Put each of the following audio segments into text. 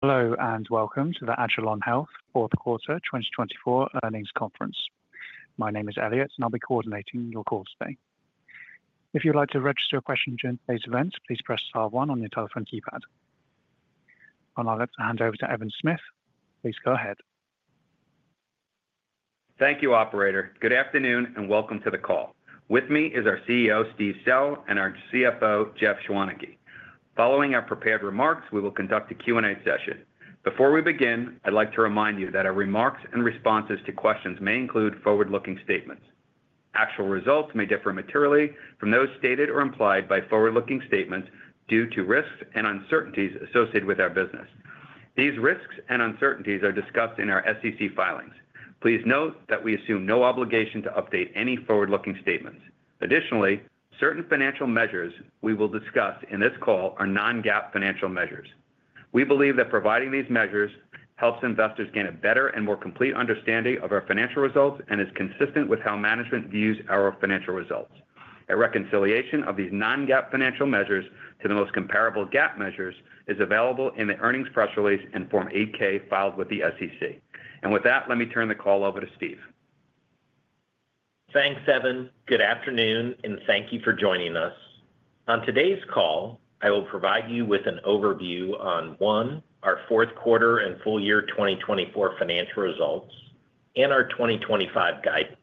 Hello and welcome to the Agilon Health Fourth Quarter 2024 Earnings Conference. My name is Elliot, and I'll be coordinating your call today. If you'd like to register a question during today's events, please press star one on your telephone keypad. I'll now hand over to Evan Smith. Please go ahead. Thank you, Operator. Good afternoon and welcome to the call. With me is our CEO, Steve Sell, and our CFO, Jeff Schwaneke. Following our prepared remarks, we will conduct a Q&A session. Before we begin, I'd like to remind you that our remarks and responses to questions may include forward-looking statements. Actual results may differ materially from those stated or implied by forward-looking statements due to risks and uncertainties associated with our business. These risks and uncertainties are discussed in our SEC filings. Please note that we assume no obligation to update any forward-looking statements. Additionally, certain financial measures we will discuss in this call are non-GAAP financial measures. We believe that providing these measures helps investors gain a better and more complete understanding of our financial results and is consistent with how management views our financial results. A reconciliation of these non-GAAP financial measures to the most comparable GAAP measures is available in the earnings press release and Form 8-K filed with the SEC. With that, let me turn the call over to Steve. Thanks, Evan. Good afternoon, and thank you for joining us. On today's call, I will provide you with an overview on, one, our fourth quarter and full year 2024 financial results and our 2025 guidance,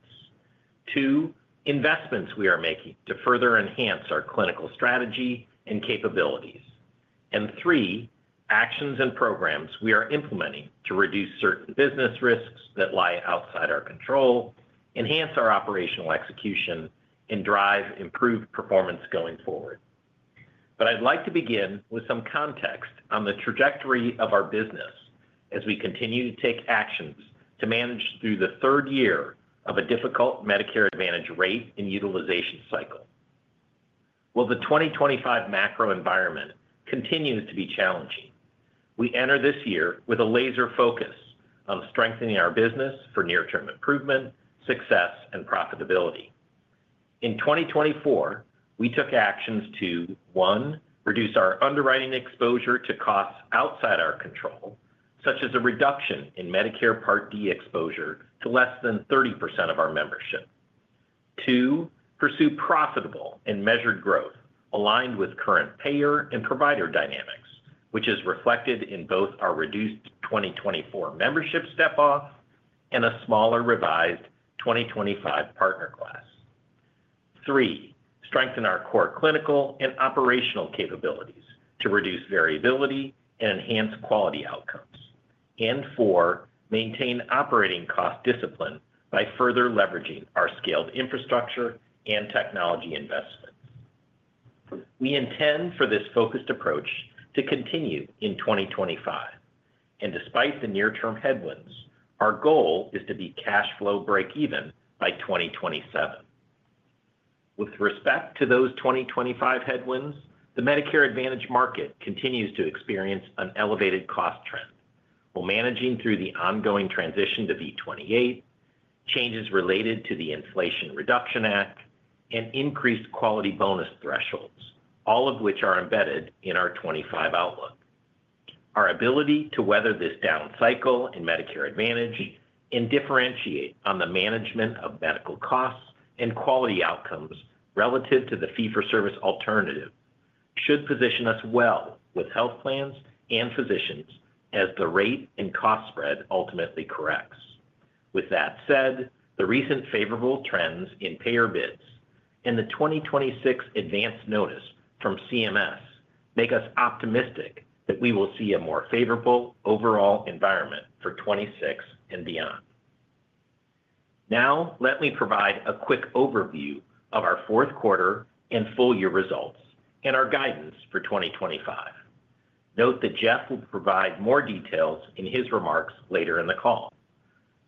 two, investments we are making to further enhance our clinical strategy and capabilities, and three, actions and programs we are implementing to reduce certain business risks that lie outside our control, enhance our operational execution, and drive improved performance going forward. But I'd like to begin with some context on the trajectory of our business as we continue to take actions to manage through the third year of a difficult Medicare Advantage rate and utilization cycle. While the 2025 macro environment continues to be challenging, we enter this year with a laser focus on strengthening our business for near-term improvement, success, and profitability. In 2024, we took actions to, one, reduce our underwriting exposure to costs outside our control, such as a reduction in Medicare Part D exposure to less than 30% of our membership. Two, pursue profitable and measured growth aligned with current payer and provider dynamics, which is reflected in both our reduced 2024 membership step-off and a smaller revised 2025 partner class. Three, strengthen our core clinical and operational capabilities to reduce variability and enhance quality outcomes. And four, maintain operating cost discipline by further leveraging our scaled infrastructure and technology investments. We intend for this focused approach to continue in 2025, and despite the near-term headwinds, our goal is to be cash flow breakeven by 2027. With respect to those 2025 headwinds, the Medicare Advantage market continues to experience an elevated cost trend while managing through the ongoing transition to V28, changes related to the Inflation Reduction Act, and increased quality bonus thresholds, all of which are embedded in our 2025 outlook. Our ability to weather this down cycle in Medicare Advantage and differentiate on the management of medical costs and quality outcomes relative to the fee-for-service alternative should position us well with health plans and physicians as the rate and cost spread ultimately corrects. With that said, the recent favorable trends in payer bids and the 2026 Advance Notice from CMS make us optimistic that we will see a more favorable overall environment for 2026 and beyond. Now, let me provide a quick overview of our fourth quarter and full year results and our guidance for 2025. Note that Jeff will provide more details in his remarks later in the call.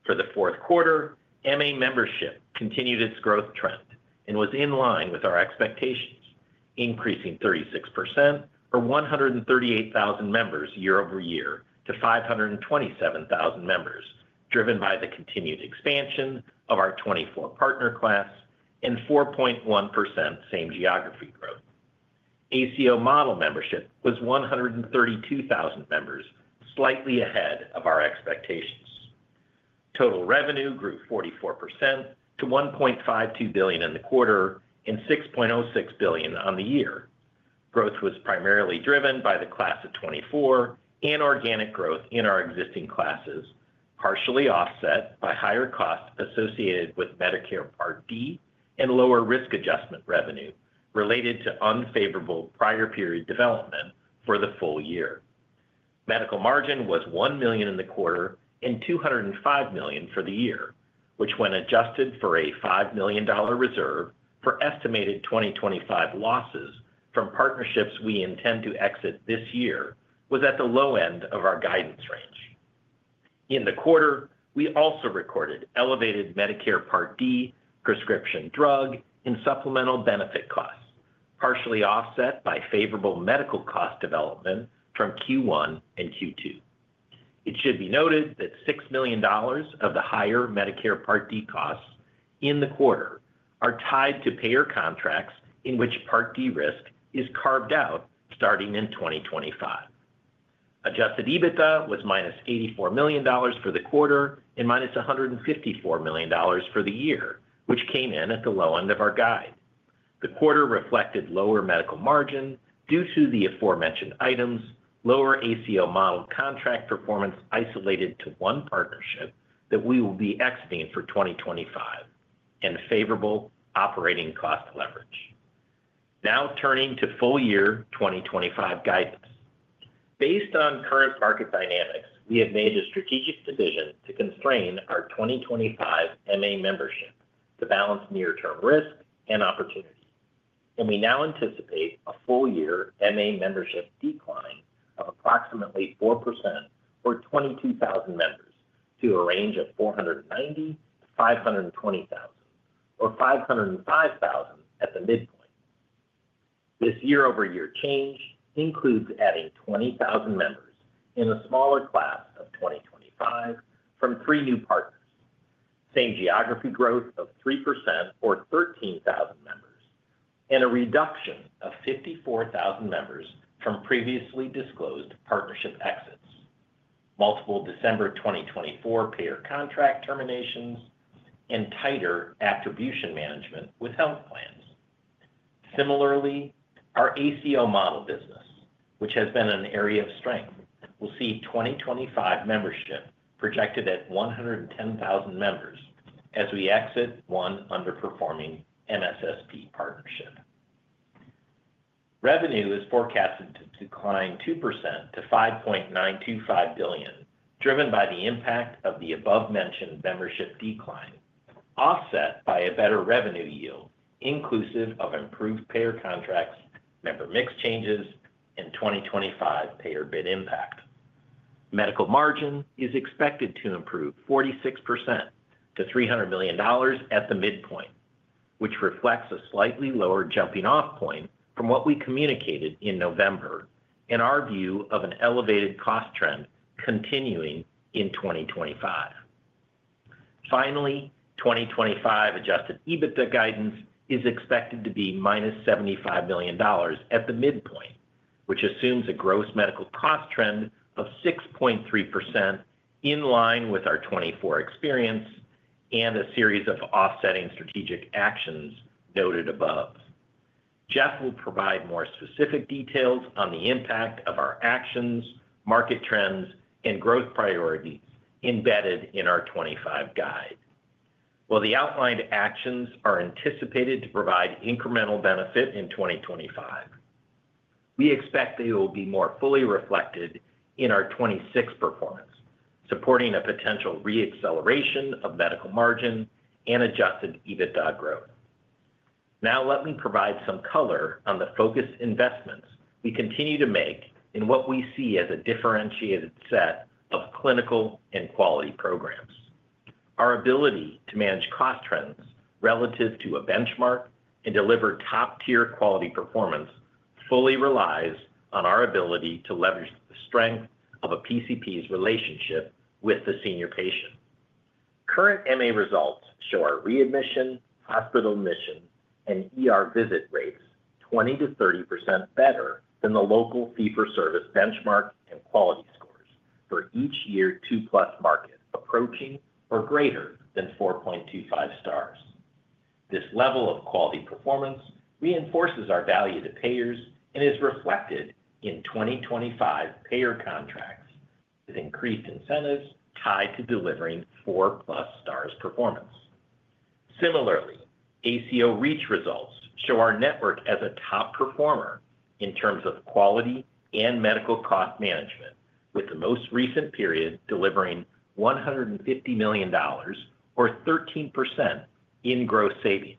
For the fourth quarter, MA membership continued its growth trend and was in line with our expectations, increasing 36% or 138,000 members year-over-year to 527,000 members, driven by the continued expansion of our '24 partner class and 4.1% same geography growth. ACO model membership was 132,000 members, slightly ahead of our expectations. Total revenue grew 44% to $1.52 billion in the quarter and $6.06 billion on the year. Growth was primarily driven by the Class of 2024 and organic growth in our existing classes, partially offset by higher costs associated with Medicare Part D and lower risk adjustment revenue related to unfavorable prior period development for the full year. Medical margin was $1 million in the quarter and $205 million for the year, which, when adjusted for a $5 million reserve for estimated 2025 losses from partnerships we intend to exit this year, was at the low end of our guidance range. In the quarter, we also recorded elevated Medicare Part D, prescription drug, and supplemental benefit costs, partially offset by favorable medical cost development from Q1 and Q2. It should be noted that $6 million of the higher Medicare Part D costs in the quarter are tied to payer contracts in which Part D risk is carved out starting in 2025. Adjusted EBITDA was minus $84 million for the quarter and minus $154 million for the year, which came in at the low end of our guide. The quarter reflected lower medical margin due to the aforementioned items, lower ACO model contract performance isolated to one partnership that we will be exiting for 2025, and favorable operating cost leverage. Now turning to full year 2025 guidance. Based on current market dynamics, we have made a strategic decision to constrain our 2025 MA membership to balance near-term risk and opportunity, and we now anticipate a full year MA membership decline of approximately 4% or 22,000 members to a range of 490,000-520,000, or 505,000 at the midpoint. This year-over-year change includes adding 20,000 members in a smaller Class of 2025 from three new partners, same geography growth of 3% or 13,000 members, and a reduction of 54,000 members from previously disclosed partnership exits, multiple December 2024 payer contract terminations, and tighter attribution management with health plans. Similarly, our ACO model business, which has been an area of strength, will see 2025 membership projected at 110,000 members as we exit one underperforming MSSP partnership. Revenue is forecasted to decline 2% to $5.925 billion, driven by the impact of the above-mentioned membership decline, offset by a better revenue yield, inclusive of improved payer contracts, member mix changes, and 2025 payer bid impact. Medical margin is expected to improve 46% to $300 million at the midpoint, which reflects a slightly lower jumping-off point from what we communicated in November and our view of an elevated cost trend continuing in 2025. Finally, 2025 Adjusted EBITDA guidance is expected to be minus $75 million at the midpoint, which assumes a gross medical cost trend of 6.3% in line with our 2024 experience and a series of offsetting strategic actions noted above. Jeff will provide more specific details on the impact of our actions, market trends, and growth priorities embedded in our 2025 guide. While the outlined actions are anticipated to provide incremental benefit in 2025, we expect they will be more fully reflected in our 2026 performance, supporting a potential re-acceleration of medical margin and Adjusted EBITDA growth. Now, let me provide some color on the focused investments we continue to make in what we see as a differentiated set of clinical and quality programs. Our ability to manage cost trends relative to a benchmark and deliver top-tier quality performance fully relies on our ability to leverage the strength of a PCP's relationship with the senior patient. Current MA results show our readmission, hospital admission, and visit rates 20% to 30% better than the local fee-for-service benchmark and quality scores for each year two-plus market approaching or greater than 4.25 stars. This level of quality performance reinforces our value to payers and is reflected in 2025 payer contracts with increased incentives tied to delivering four-plus stars performance. Similarly, ACO REACH results show our network as a top performer in terms of quality and medical cost management, with the most recent period delivering $150 million or 13% in gross savings,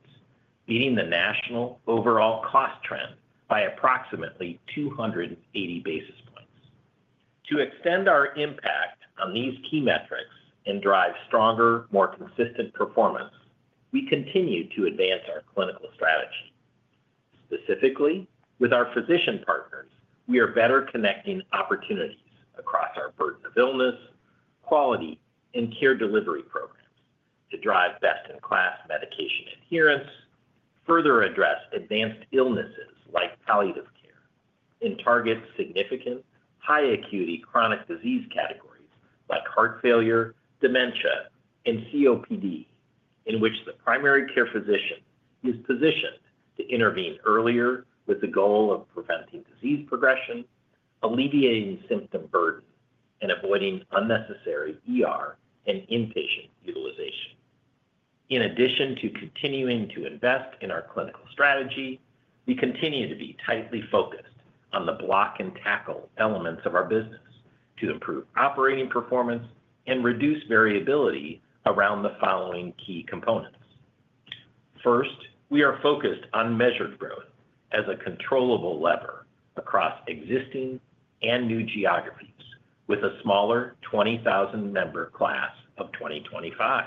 beating the national overall cost trend by approximately 280 basis points. To extend our impact on these key metrics and drive stronger, more consistent performance, we continue to advance our clinical strategy. Specifically, with our physician partners, we are better connecting opportunities across our burden of illness, quality, and care delivery programs to drive best-in-class medication adherence, further address advanced illnesses like palliative care, and target significant high-acuity chronic disease categories like heart failure, dementia, and COPD, in which the primary care physician is positioned to intervene earlier with the goal of preventing disease progression, alleviating symptom burden, and avoiding unnecessary and inpatient utilization. In addition to continuing to invest in our clinical strategy, we continue to be tightly focused on the block and tackle elements of our business to improve operating performance and reduce variability around the following key components. First, we are focused on measured growth as a controllable lever across existing and new geographies with a smaller 20,000-member Class of 2025.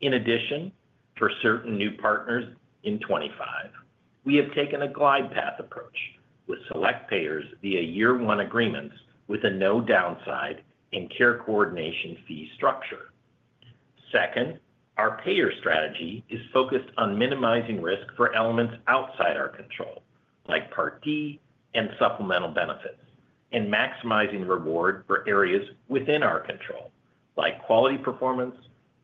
In addition, for certain new partners in 2025, we have taken a glide path approach with select payers via year-one agreements with a no-downside and care coordination fee structure. Second, our payer strategy is focused on minimizing risk for elements outside our control, like Part D and supplemental benefits, and maximizing reward for areas within our control, like quality performance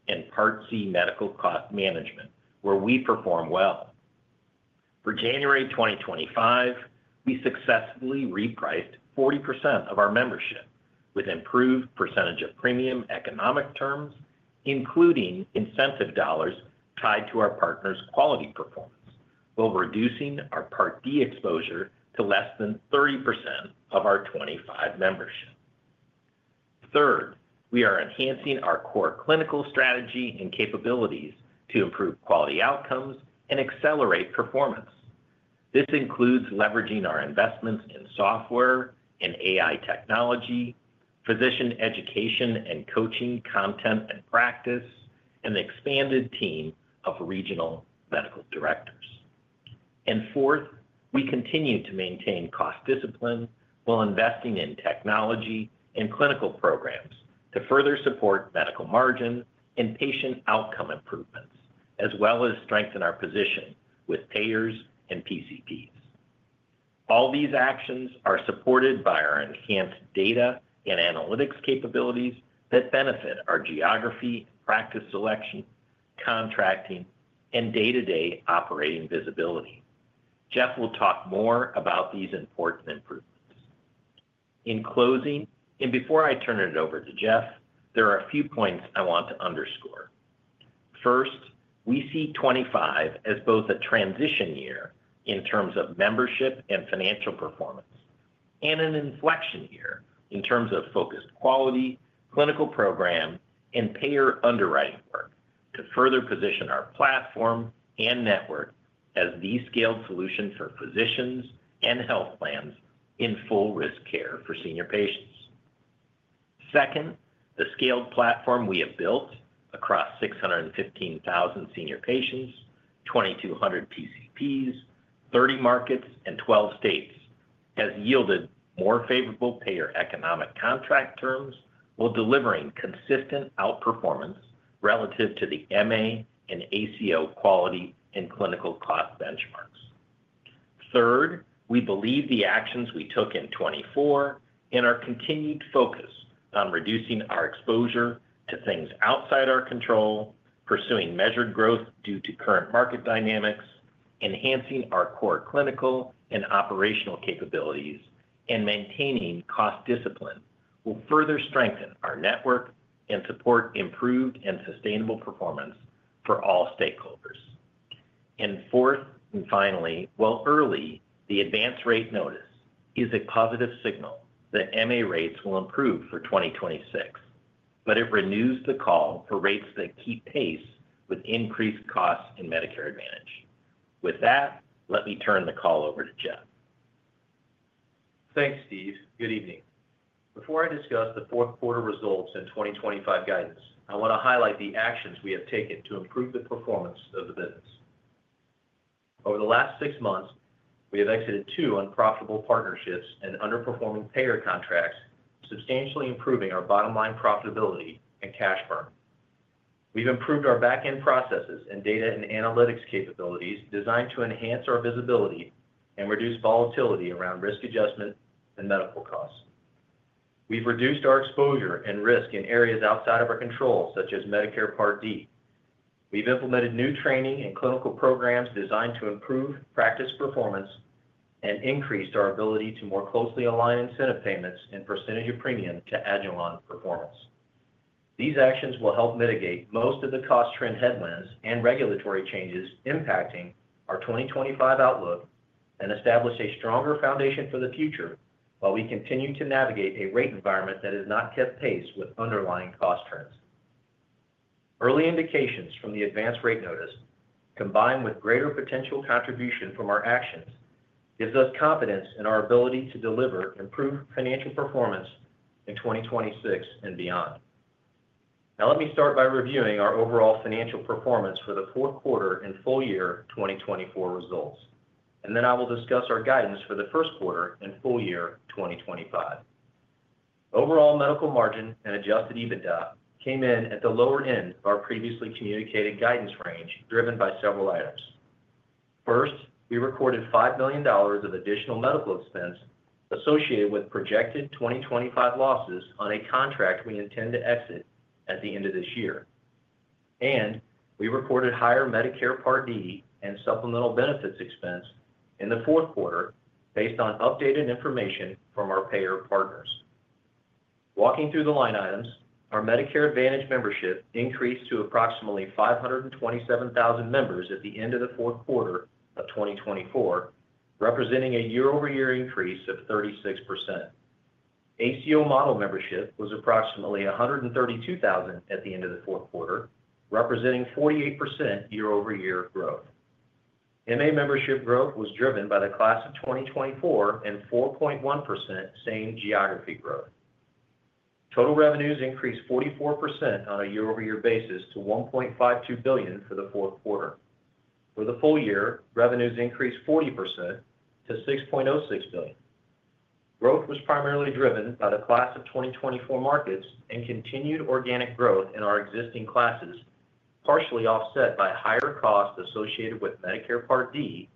and Part C medical cost management, where we perform well. For January 2025, we successfully repriced 40% of our membership with improved percentage of premium economic terms, including incentive dollars tied to our partners' quality performance, while reducing our Part D exposure to less than 30% of our 2025 membership. Third, we are enhancing our core clinical strategy and capabilities to improve quality outcomes and accelerate performance. This includes leveraging our investments in software and AI technology, physician education and coaching content and practice, and the expanded team of regional medical directors. And fourth, we continue to maintain cost discipline while investing in technology and clinical programs to further support medical margin and patient outcome improvements, as well as strengthen our position with payers and PCPs. All these actions are supported by our enhanced data and analytics capabilities that benefit our geography, practice selection, contracting, and day-to-day operating visibility. Jeff will talk more about these important improvements. In closing, and before I turn it over to Jeff, there are a few points I want to underscore. First, we see 2025 as both a transition year in terms of membership and financial performance and an inflection year in terms of focused quality, clinical program, and payer underwriting work to further position our platform and network as the scaled solution for physicians and health plans in full risk care for senior patients. Second, the scaled platform we have built across 615,000 senior patients, 2,200 PCPs, 30 markets, and 12 states has yielded more favorable payer economic contract terms while delivering consistent outperformance relative to the MA and ACO quality and clinical cost benchmarks. Third, we believe the actions we took in 2024 and our continued focus on reducing our exposure to things outside our control, pursuing measured growth due to current market dynamics, enhancing our core clinical and operational capabilities, and maintaining cost discipline will further strengthen our network and support improved and sustainable performance for all stakeholders. Fourth and finally, while early, the Advance Rate Notice is a positive signal that MA rates will improve for 2026, but it renews the call for rates that keep pace with increased costs and Medicare Advantage. With that, let me turn the call over to Jeff. Thanks, Steve. Good evening. Before I discuss the fourth quarter results and 2025 guidance, I want to highlight the actions we have taken to improve the performance of the business. Over the last six months, we have exited two unprofitable partnerships and underperforming payer contracts, substantially improving our bottom-line profitability and cash burn. We've improved our back-end processes and data and analytics capabilities designed to enhance our visibility and reduce volatility around risk adjustment and medical costs. We've reduced our exposure and risk in areas outside of our control, such as Medicare Part D. We've implemented new training and clinical programs designed to improve practice performance and increased our ability to more closely align incentive payments and percentage of premium to Agilon performance. These actions will help mitigate most of the cost trend headwinds and regulatory changes impacting our 2025 outlook and establish a stronger foundation for the future while we continue to navigate a rate environment that has not kept pace with underlying cost trends. Early indications from the Advance Notice, combined with greater potential contribution from our actions, gives us confidence in our ability to deliver improved financial performance in 2026 and beyond. Now, let me start by reviewing our overall financial performance for the fourth quarter and full year 2024 results, and then I will discuss our guidance for the first quarter and full year 2025. Overall medical margin and Adjusted EBITDA came in at the lower end of our previously communicated guidance range driven by several items. First, we recorded $5 million of additional medical expense associated with projected 2025 losses on a contract we intend to exit at the end of this year, and we recorded higher Medicare Part D and supplemental benefits expense in the fourth quarter based on updated information from our payer partners. Walking through the line items, our Medicare Advantage membership increased to approximately 527,000 members at the end of the fourth quarter of 2024, representing a year-over-year increase of 36%. ACO model membership was approximately 132,000 at the end of the fourth quarter, representing 48% year-over-year growth. MA membership growth was driven by the Class of 2024 and 4.1% same geography growth. Total revenues increased 44% on a year-over-year basis to $1.52 billion for the fourth quarter. For the full year, revenues increased 40% to $6.06 billion. Growth was primarily driven by the Class of 2024 markets and continued organic growth in our existing classes, partially offset by higher costs associated with Medicare Part D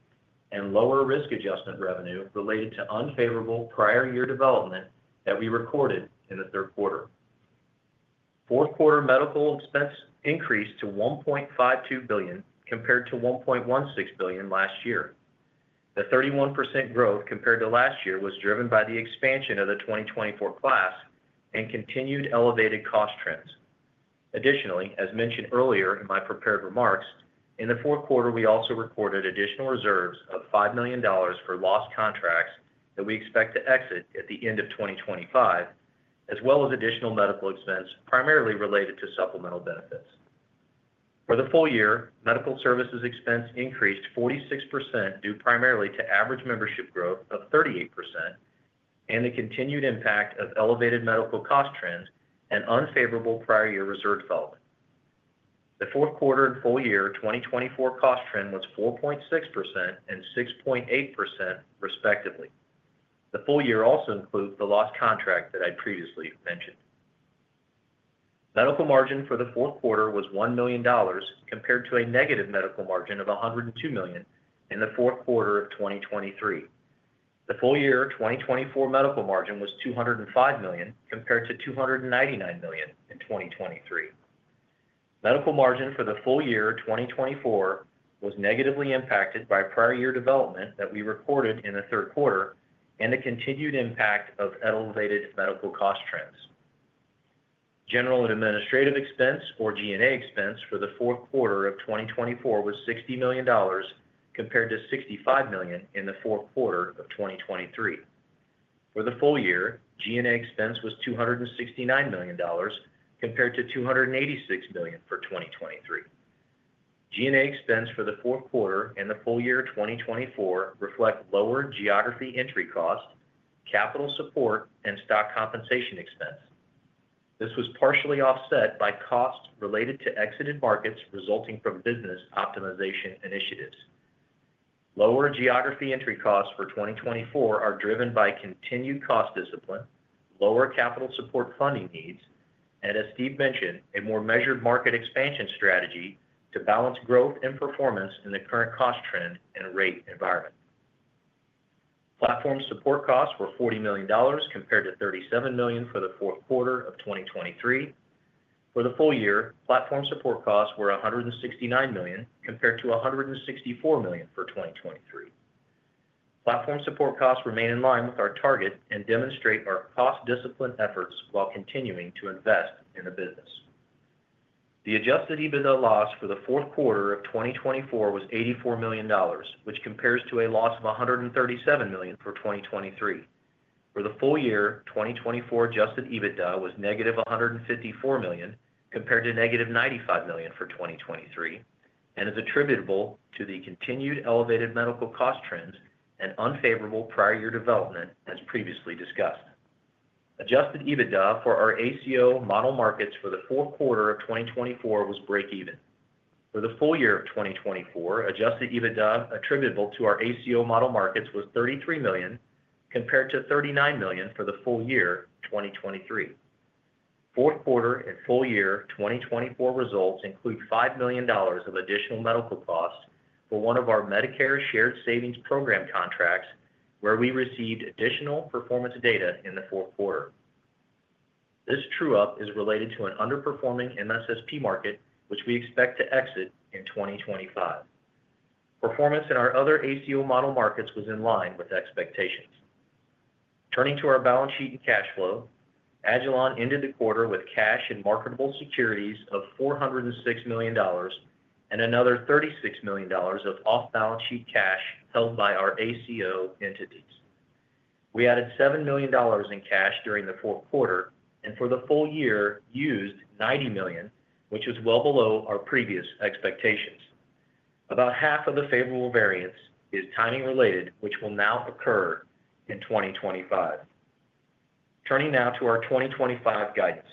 and lower risk adjustment revenue related to unfavorable Prior Year Development that we recorded in the third quarter. Fourth quarter medical expense increased to $1.52 billion compared to $1.16 billion last year. The 31% growth compared to last year was driven by the expansion of the 2024 Class and continued elevated cost trends. Additionally, as mentioned earlier in my prepared remarks, in the fourth quarter, we also recorded additional reserves of $5 million for lost contracts that we expect to exit at the end of 2025, as well as additional medical expense primarily related to Supplemental Benefits. For the full year, medical services expense increased 46% due primarily to average membership growth of 38% and the continued impact of elevated medical cost trends and unfavorable prior year reserve development. The fourth quarter and full year 2024 cost trend was 4.6% and 6.8%, respectively. The full year also includes the lost contract that I previously mentioned. Medical margin for the fourth quarter was $1 million compared to a negative medical margin of $102 million in the fourth quarter of 2023. The full year 2024 medical margin was $205 million compared to $299 million in 2023. Medical margin for the full year 2024 was negatively impacted by prior year development that we recorded in the third quarter and the continued impact of elevated medical cost trends. General and administrative expense, or G&A expense, for the fourth quarter of 2024 was $60 million compared to $65 million in the fourth quarter of 2023. For the full year, G&A expense was $269 million compared to $286 million for 2023. G&A expense for the fourth quarter and the full year 2024 reflect lower geographic entry cost, capital support, and stock compensation expense. This was partially offset by costs related to exited markets resulting from business optimization initiatives. Lower geographic entry costs for 2024 are driven by continued cost discipline, lower capital support funding needs, and, as Steve mentioned, a more measured market expansion strategy to balance growth and performance in the current cost trend and rate environment. Platform support costs were $40 million compared to $37 million for the fourth quarter of 2023. For the full year, platform support costs were $169 million compared to $164 million for 2023. Platform support costs remain in line with our target and demonstrate our cost discipline efforts while continuing to invest in the business. The adjusted EBITDA loss for the fourth quarter of 2024 was $84 million, which compares to a loss of $137 million for 2023. For the full year, 2024 adjusted EBITDA was negative $154 million compared to negative $95 million for 2023 and is attributable to the continued elevated medical cost trends and unfavorable prior year development, as previously discussed. Adjusted EBITDA for our ACO model markets for the fourth quarter of 2024 was break-even. For the full year of 2024, adjusted EBITDA attributable to our ACO model markets was $33 million compared to $39 million for the full year 2023. Fourth quarter and full year 2024 results include $5 million of additional medical costs for one of our Medicare Shared Savings Program contracts, where we received additional performance data in the fourth quarter. This true-up is related to an underperforming MSSP market, which we expect to exit in 2025. Performance in our other ACO model markets was in line with expectations. Turning to our balance sheet and cash flow, Agilon ended the quarter with cash and marketable securities of $406 million and another $36 million of off-balance sheet cash held by our ACO entities. We added $7 million in cash during the fourth quarter, and for the full year, used $90 million, which was well below our previous expectations. About half of the favorable variance is timing-related, which will now occur in 2025. Turning now to our 2025 guidance.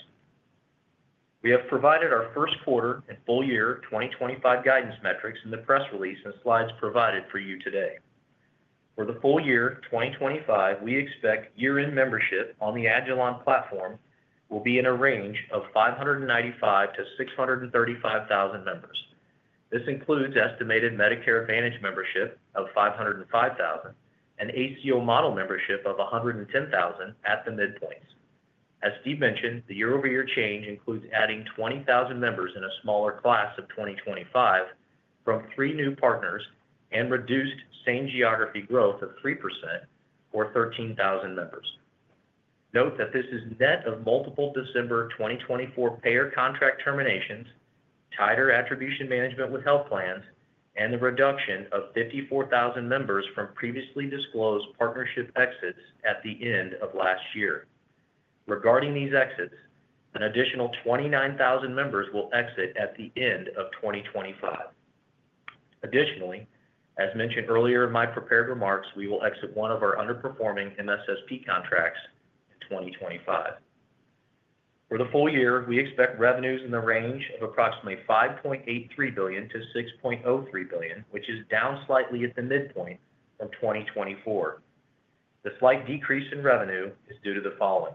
We have provided our first quarter and full year 2025 guidance metrics in the press release and slides provided for you today. For the full year 2025, we expect year-end membership on the Agilon platform will be in a range of 595,000-635,000 members. This includes estimated Medicare Advantage membership of 505,000 and ACO model membership of 110,000 at the midpoint. As Steve mentioned, the year-over-year change includes adding 20,000 members in a smaller class of 2025 from three new partners and reduced same geography growth of 3%, or 13,000 members. Note that this is net of multiple December 2024 payer contract terminations, tighter attribution management with health plans, and the reduction of 54,000 members from previously disclosed partnership exits at the end of last year. Regarding these exits, an additional 29,000 members will exit at the end of 2025. Additionally, as mentioned earlier in my prepared remarks, we will exit one of our underperforming MSSP contracts in 2025. For the full year, we expect revenues in the range of approximately $5.83 billion-$6.03 billion, which is down slightly at the midpoint from 2024. The slight decrease in revenue is due to the following.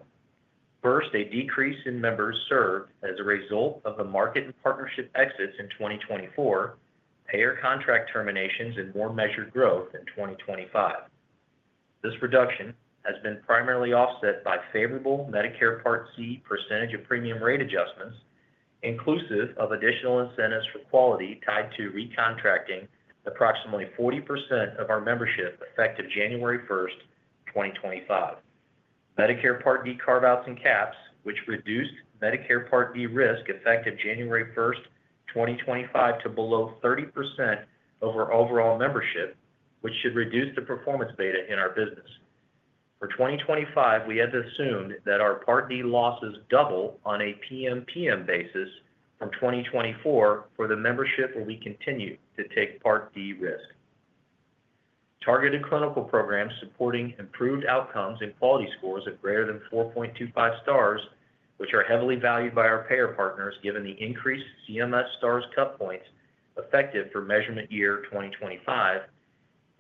First, a decrease in members served as a result of the market and partnership exits in 2024, payer contract terminations, and more measured growth in 2025. This reduction has been primarily offset by favorable Medicare Part C percentage of premium rate adjustments, inclusive of additional incentives for quality tied to recontracting approximately 40% of our membership effective January 1st, 2025. Medicare Part D carve-outs and caps, which reduced Medicare Part D risk effective January 1st, 2025, to below 30% over overall membership, which should reduce the performance beta in our business. For 2025, we have assumed that our Part D losses double on a PMPM basis from 2024 for the membership where we continue to take Part D risk. Targeted clinical programs supporting improved outcomes and quality scores of greater than 4.25 stars, which are heavily valued by our payer partners given the increased CMS Stars cut points effective for measurement year 2025,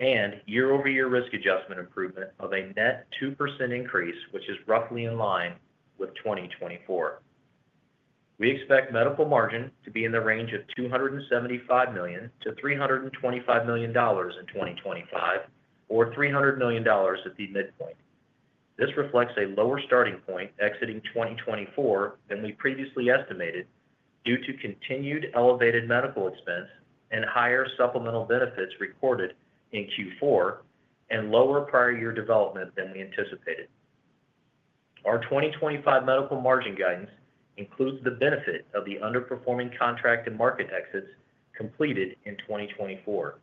and year-over-year risk adjustment improvement of a net 2% increase, which is roughly in line with 2024. We expect medical margin to be in the range of $275 million-$325 million in 2025, or $300 million at the midpoint. This reflects a lower starting point exiting 2024 than we previously estimated due to continued elevated medical expense and higher supplemental benefits recorded in Q4 and lower prior year development than we anticipated. Our 2025 medical margin guidance includes the benefit of the underperforming contract and market exits completed in 2024,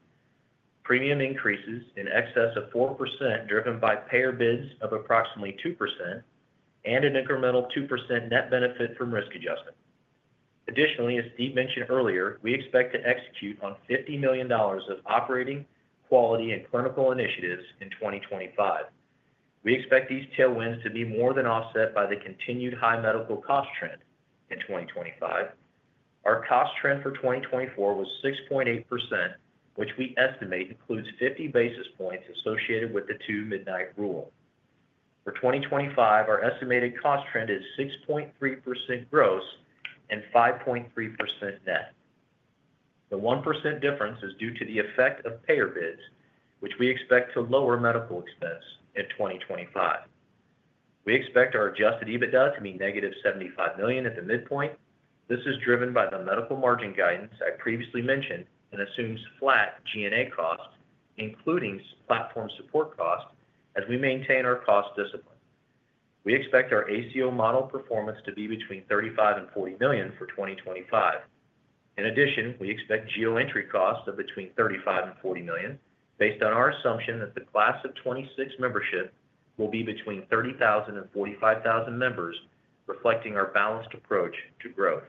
premium increases in excess of 4% driven by payer bids of approximately 2%, and an incremental 2% net benefit from risk adjustment. Additionally, as Steve mentioned earlier, we expect to execute on $50 million of operating quality and clinical initiatives in 2025. We expect these tailwinds to be more than offset by the continued high medical cost trend in 2025. Our cost trend for 2024 was 6.8%, which we estimate includes 50 basis points associated with the Two-Midnight Rule. For 2025, our estimated cost trend is 6.3% gross and 5.3% net. The 1% difference is due to the effect of payer bids, which we expect to lower medical expense in 2025. We expect our Adjusted EBITDA to be negative $75 million at the midpoint. This is driven by the medical margin guidance I previously mentioned and assumes flat G&A costs, including platform support costs, as we maintain our cost discipline. We expect our ACO model performance to be between $35 and $40 million for 2025. In addition, we expect geo-entry costs of between $35 and $40 million, based on our assumption that the Class of 26 membership will be between 30,000 and 45,000 members, reflecting our balanced approach to growth.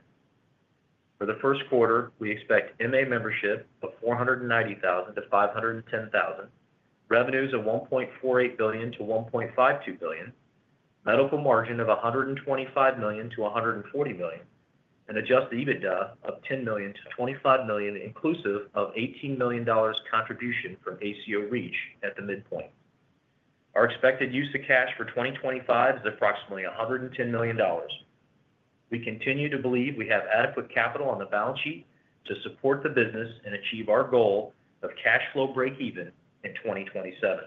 For the first quarter, we expect MA membership of 490,000-510,000, revenues of $1.48 billion-$1.52 billion, medical margin of $125 million-$140 million, and Adjusted EBITDA of $10 million-$25 million, inclusive of $18 million contribution from ACO REACH at the midpoint. Our expected use of cash for 2025 is approximately $110 million. We continue to believe we have adequate capital on the balance sheet to support the business and achieve our goal of Cash Flow Break-Even in 2027.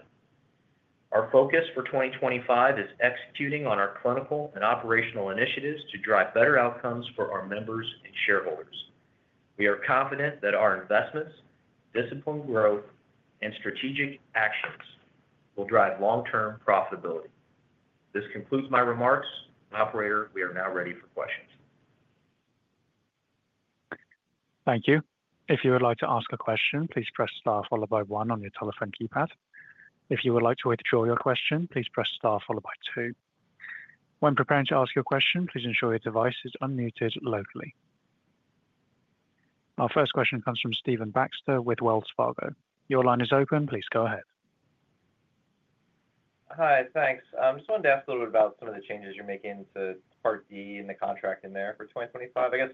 Our focus for 2025 is executing on our clinical and operational initiatives to drive better outcomes for our members and shareholders. We are confident that our investments, disciplined growth, and strategic actions will drive long-term profitability. This concludes my remarks. Operator, we are now ready for questions. Thank you. If you would like to ask a question, please press Star followed by 1 on your telephone keypad. If you would like to withdraw your question, please press Star followed by 2. When preparing to ask your question, please ensure your device is unmuted locally. Our first question comes from Stephen Baxter with Wells Fargo. Your line is open. Please go ahead. Hi, thanks. I just wanted to ask a little bit about some of the changes you're making to Part D and the contract in there for 2025. I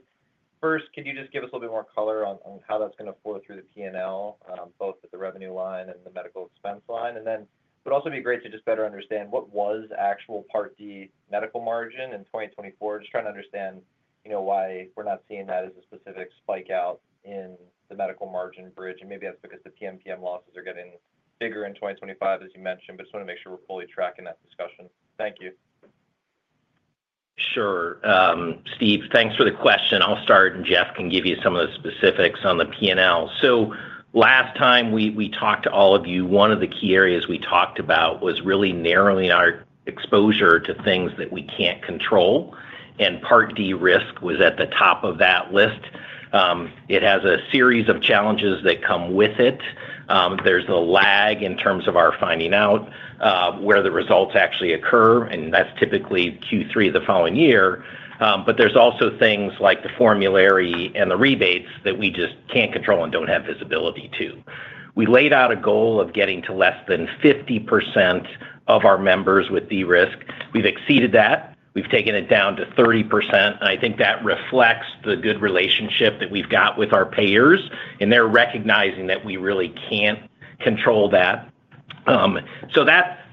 guess, first, could you just give us a little bit more color on how that's going to flow through the P&L, both at the revenue line and the medical expense line? And then it would also be great to just better understand what was actual Part D medical margin in 2024, just trying to understand why we're not seeing that as a specific spike out in the medical margin bridge. And maybe that's because the PMPM losses are getting bigger in 2025, as you mentioned, but just want to make sure we're fully tracking that discussion. Thank you. Sure. Steve, thanks for the question. I'll start, and Jeff can give you some of the specifics on the P&L. Last time we talked to all of you, one of the key areas we talked about was really narrowing our exposure to things that we can't control. Part D risk was at the top of that list. It has a series of challenges that come with it. There's a lag in terms of our finding out where the results actually occur, and that's typically Q3 of the following year. But there's also things like the formulary and the rebates that we just can't control and don't have visibility to. We laid out a goal of getting to less than 50% of our members with D risk. We've exceeded that. We've taken it down to 30%. I think that reflects the good relationship that we've got with our payers, and they're recognizing that we really can't control that.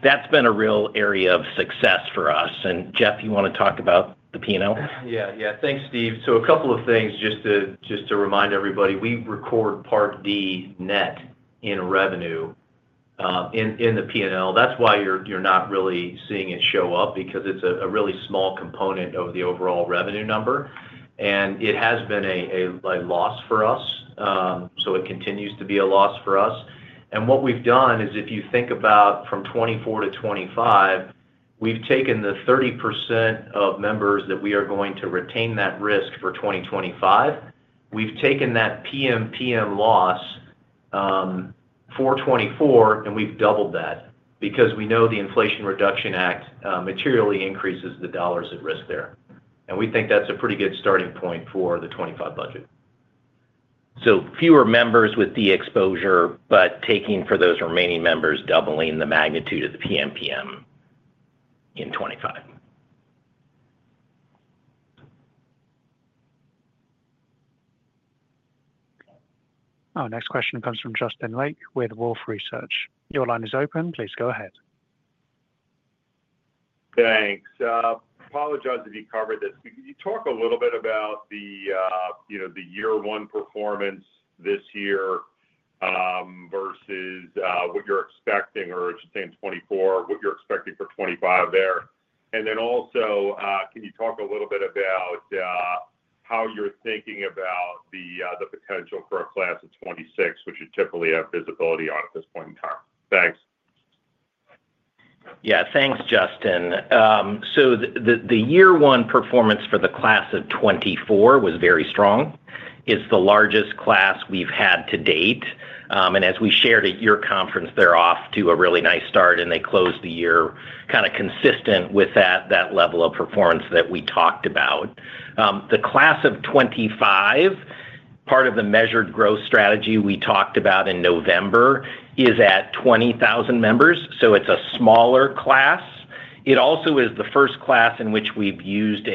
That's been a real area of success for us. And Jeff, you want to talk about the P&L? Yeah, yeah. Thanks, Steve. So a couple of things just to remind everybody. We record Part D net in revenue in the P&L. That's why you're not really seeing it show up, because it's a really small component of the overall revenue number. And it has been a loss for us, so it continues to be a loss for us. And what we've done is, if you think about from 2024 to 2025, we've taken the 30% of members that we are going to retain that risk for 2025. We've taken that PMPM loss for 2024, and we've doubled that because we know the Inflation Reduction Act materially increases the dollars at risk there. And we think that's a pretty good starting point for the 2025 budget. So fewer members with the exposure, but taking for those remaining members, doubling the magnitude of the PMPM in 2025. Our next question comes from Justin Lake with Wolfe Research. Your line is open. Please go ahead. Thanks. I apologize if you covered this. Could you talk a little bit about the year-one performance this year versus what you're expecting, or should say in 2024, what you're expecting for 2025 there? And then also, can you talk a little bit about how you're thinking about the potential for a Class of 2026, which you typically have visibility on at this point in time? Thanks. Yeah, thanks, Justin. So the year-one performance for the Class of 2024 was very strong. It's the largest class we've had to date. And as we shared at your conference, they're off to a really nice start, and they closed the year kind of consistent with that level of performance that we talked about. The Class of 2025, part of the measured growth strategy we talked about in November, is at 20,000 members, so it's a smaller class. It also is the first class in which we've used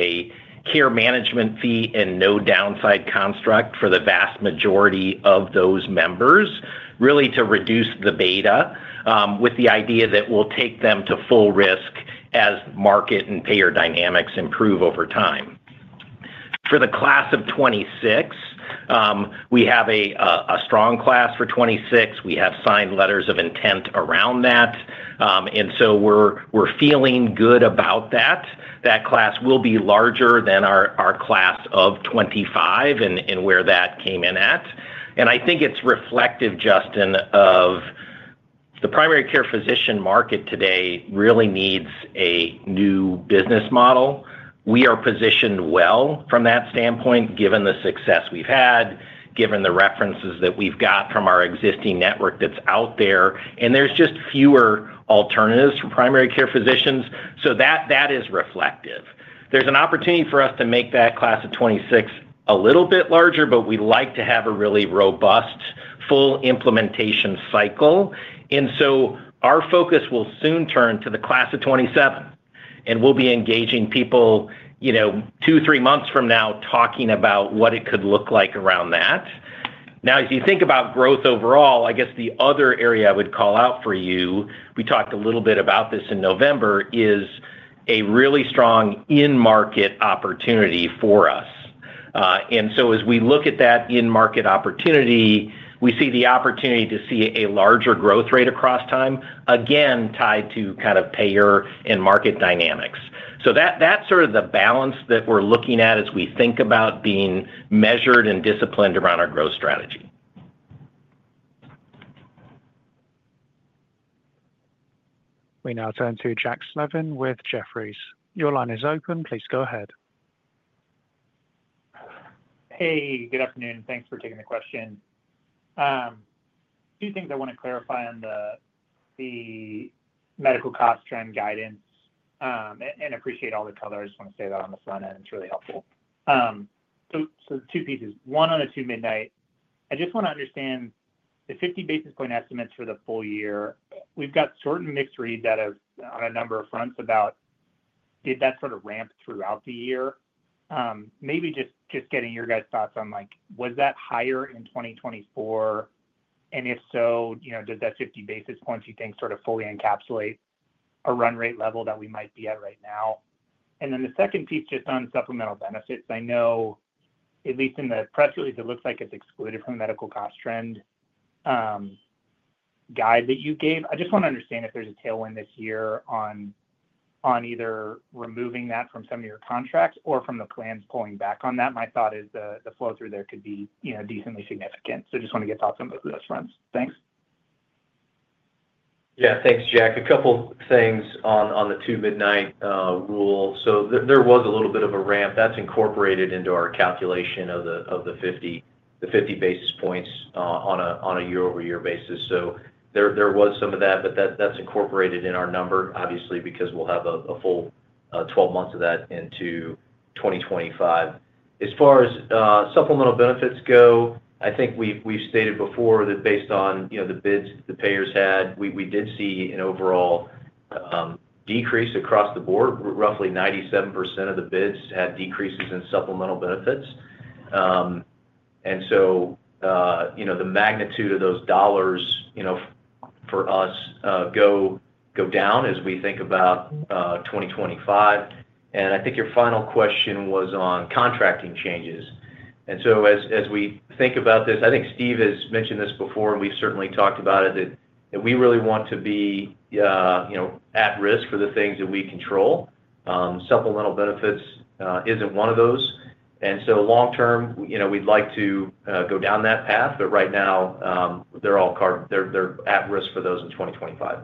a care management fee and no downside construct for the vast majority of those members, really to reduce the beta with the idea that we'll take them to full risk as market and payer dynamics improve over time. For the Class of 2026, we have a strong class for 2026. We have signed letters of intent around that. And so we're feeling good about that. That class will be larger than our Class of 2025 and where that came in at. I think it's reflective, Justin, of the primary care physician market today really needs a new business model. We are positioned well from that standpoint, given the success we've had, given the references that we've got from our existing network that's out there. There's just fewer alternatives for primary care physicians, so that is reflective. There's an opportunity for us to make that Class of 2026 a little bit larger, but we'd like to have a really robust full implementation cycle. Our focus will soon turn to the Class of 2027, and we'll be engaging people two, three months from now talking about what it could look like around that. Now, as you think about growth overall, I guess the other area I would call out for you, we talked a little bit about this in November, is a really strong in-market opportunity for us. And so as we look at that in-market opportunity, we see the opportunity to see a larger growth rate across time, again, tied to kind of payer and market dynamics. So that's sort of the balance that we're looking at as we think about being measured and disciplined around our growth strategy. We now turn to Jack Slevin with Jefferies. Your line is open. Please go ahead. Hey, good afternoon. Thanks for taking the question. Two things I want to clarify on the medical cost trend guidance and appreciate all the color. I just want to say that on the front end, it's really helpful. So two pieces. One on a Two-Midnight. I just want to understand the 50 basis points estimates for the full year. We've got certain mixed reads on a number of fronts about, did that sort of ramp throughout the year? Maybe just getting your guys' thoughts on, was that higher in 2024? And if so, does that 50 basis point, do you think, sort of fully encapsulate a run rate level that we might be at right now? And then the second piece just on Supplemental Benefits. I know, at least in the press release, it looks like it's excluded from the medical cost trend guide that you gave. I just want to understand if there's a tailwind this year on either removing that from some of your contracts or from the plans pulling back on that. My thought is the flow through there could be decently significant. So I just want to get thoughts on both of those fronts. Thanks. Yeah, thanks, Jack. A couple of things on the Two-Midnight Rule. So there was a little bit of a ramp. That's incorporated into our calculation of the 50 basis points on a year-over-year basis. So there was some of that, but that's incorporated in our number, obviously, because we'll have a full 12 months of that into 2025. As far as supplemental benefits go, I think we've stated before that based on the bids the payers had, we did see an overall decrease across the board. Roughly 97% of the bids had decreases in supplemental benefits. And so the magnitude of those dollars for us go down as we think about 2025. And I think your final question was on contracting changes. And so as we think about this, I think Steve has mentioned this before, and we've certainly talked about it, that we really want to be at risk for the things that we control. Supplemental benefits isn't one of those. And so long term, we'd like to go down that path, but right now, they're at risk for those in 2025.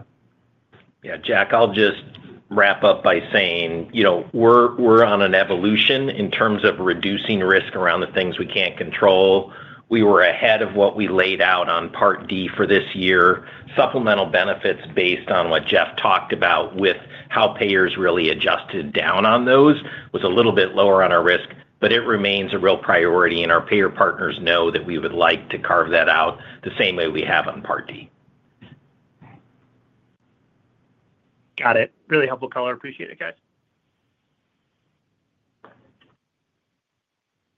Yeah, Jack, I'll just wrap up by saying we're on an evolution in terms of reducing risk around the things we can't control. We were ahead of what we laid out on Part D for this year. Supplemental benefits based on what Jeff talked about with how payers really adjusted down on those was a little bit lower on our risk, but it remains a real priority, and our payer partners know that we would like to carve that out the same way we have on Part D. Got it. Really helpful color. Appreciate it, guys.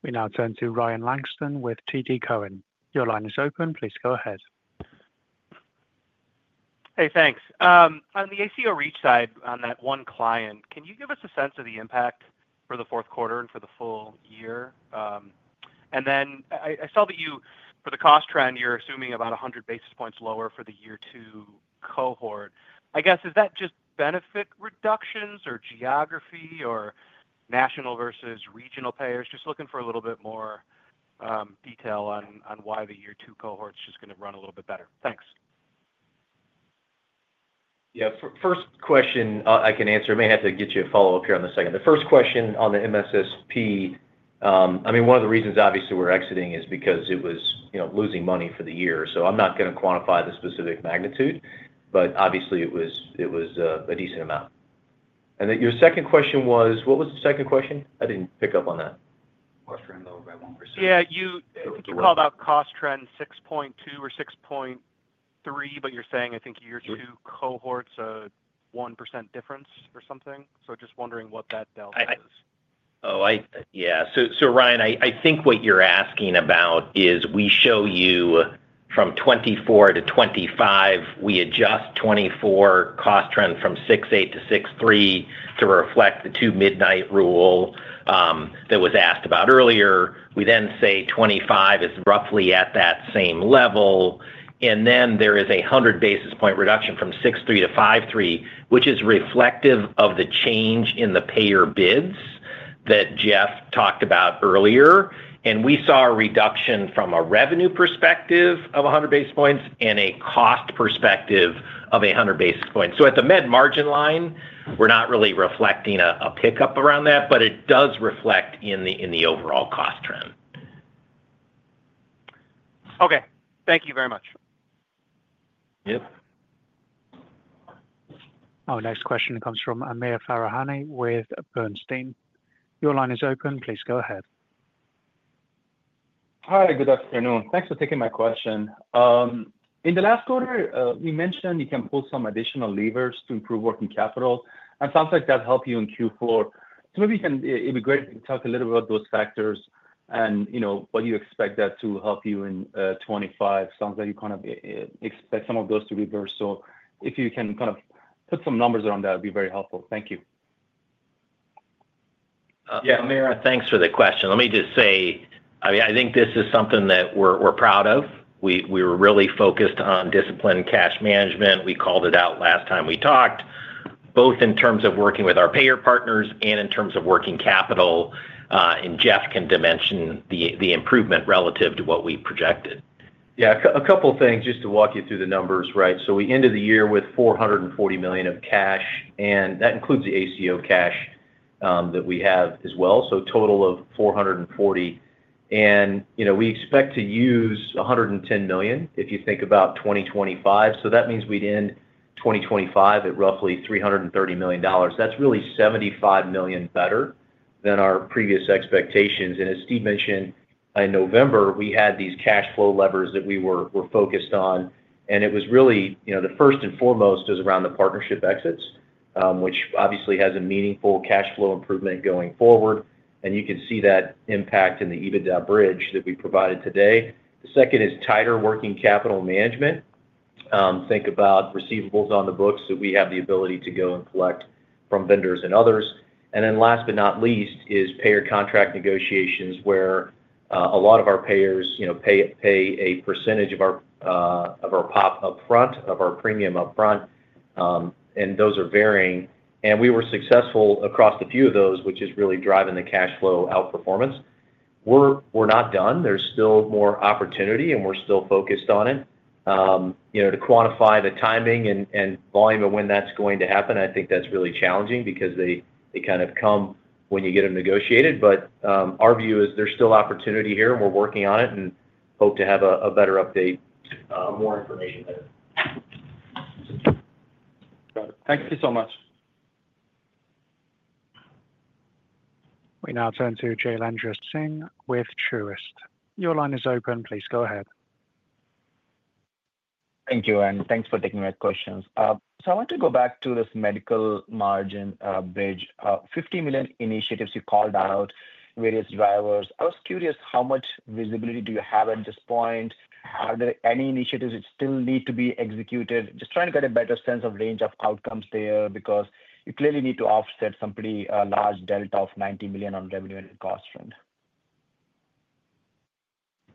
We now turn to Ryan Langston with TD Cowen. Your line is open. Please go ahead. Hey, thanks. On the ACO REACH side, on that one client, can you give us a sense of the impact for the fourth quarter and for the full year? And then I saw that for the cost trend, you're assuming about 100 basis points lower for the year-two cohort. I guess, is that just benefit reductions or geography or national versus regional payers? Just looking for a little bit more detail on why the year-two cohort's just going to run a little bit better. Thanks. Yeah, first question I can answer. I may have to get you a follow-up here on the second. The first question on the MSSP, I mean, one of the reasons, obviously, we're exiting is because it was losing money for the year. So I'm not going to quantify the specific magnitude, but obviously, it was a decent amount.mAnd then your second question was, what was the second question? I didn't pick up on that. Cost trend lower by 1%. Yeah, you called out cost trend 6.2% or 6.3%, but you're saying, I think, year-two cohort's a 1% difference or something. So just wondering what that delta is. Oh, yeah. So Ryan, I think what you're asking about is we show you from 2024 to 2025, we adjust 2024 cost trend from 6.8%-6.3% to reflect the Two-Midnight Rule that was asked about earlier. We then say 2025 is roughly at that same level. And then there is a 100 basis point reduction from 6.3%-5.3%, which is reflective of the change in the payer bids that Jeff talked about earlier. And we saw a reduction from a revenue perspective of 100 basis points and a cost perspective of 100 basis points. So at the mid-margin line, we're not really reflecting a pickup around that, but it does reflect in the overall cost trend. Okay. Thank you very much. Yep. Our next question comes from Amir Farahani with Bernstein. Your line is open. Please go ahead. Hi, good afternoon. Thanks for taking my question. In the last quarter, we mentioned you can pull some additional levers to improve working capital. And it sounds like that helped you in Q4. So maybe it'd be great if you could talk a little bit about those factors and what you expect that to help you in 2025. It sounds like you kind of expect some of those to reverse. So if you can kind of put some numbers around that, it would be very helpful. Thank you. Yeah, Amir, thanks for the question. Let me just say, I mean, I think this is something that we're proud of. We were really focused on disciplined cash management. We called it out last time we talked, both in terms of working with our payer partners and in terms of working capital. And Jeff can dimension the improvement relative to what we projected. Yeah, a couple of things just to walk you through the numbers, right? So we ended the year with $440 million of cash, and that includes the ACO cash that we have as well. So total of $440 million. And we expect to use $110 million if you think about 2025. So that means we'd end 2025 at roughly $330 million. That's really $75 million better than our previous expectations. And as Steve mentioned, in November, we had these cash flow levers that we were focused on. It was really the first and foremost is around the partnership exits, which obviously has a meaningful cash flow improvement going forward. You can see that impact in the EBITDA bridge that we provided today. The second is tighter working capital management. Think about receivables on the books that we have the ability to go and collect from vendors and others. Then last but not least is payer contract negotiations where a lot of our payers pay a percentage of our premium up front, of our premium upfront, and those are varying. We were successful across a few of those, which is really driving the cash flow outperformance. We're not done. There's still more opportunity, and we're still focused on it. To quantify the timing and volume of when that's going to happen, I think that's really challenging because they kind of come when you get them negotiated. But our view is there's still opportunity here, and we're working on it and hope to have a better update, more information there. Got it. Thank you so much. We now turn to Jailendra Singh with Truist. Your line is open. Please go ahead. Thank you, and thanks for taking my questions. So I want to go back to this medical margin bridge. $50 million initiatives you called out, various drivers. I was curious, how much visibility do you have at this point? Are there any initiatives that still need to be executed? Just trying to get a better sense of range of outcomes there because you clearly need to offset some pretty large delta of $90 million on revenue and cost trend.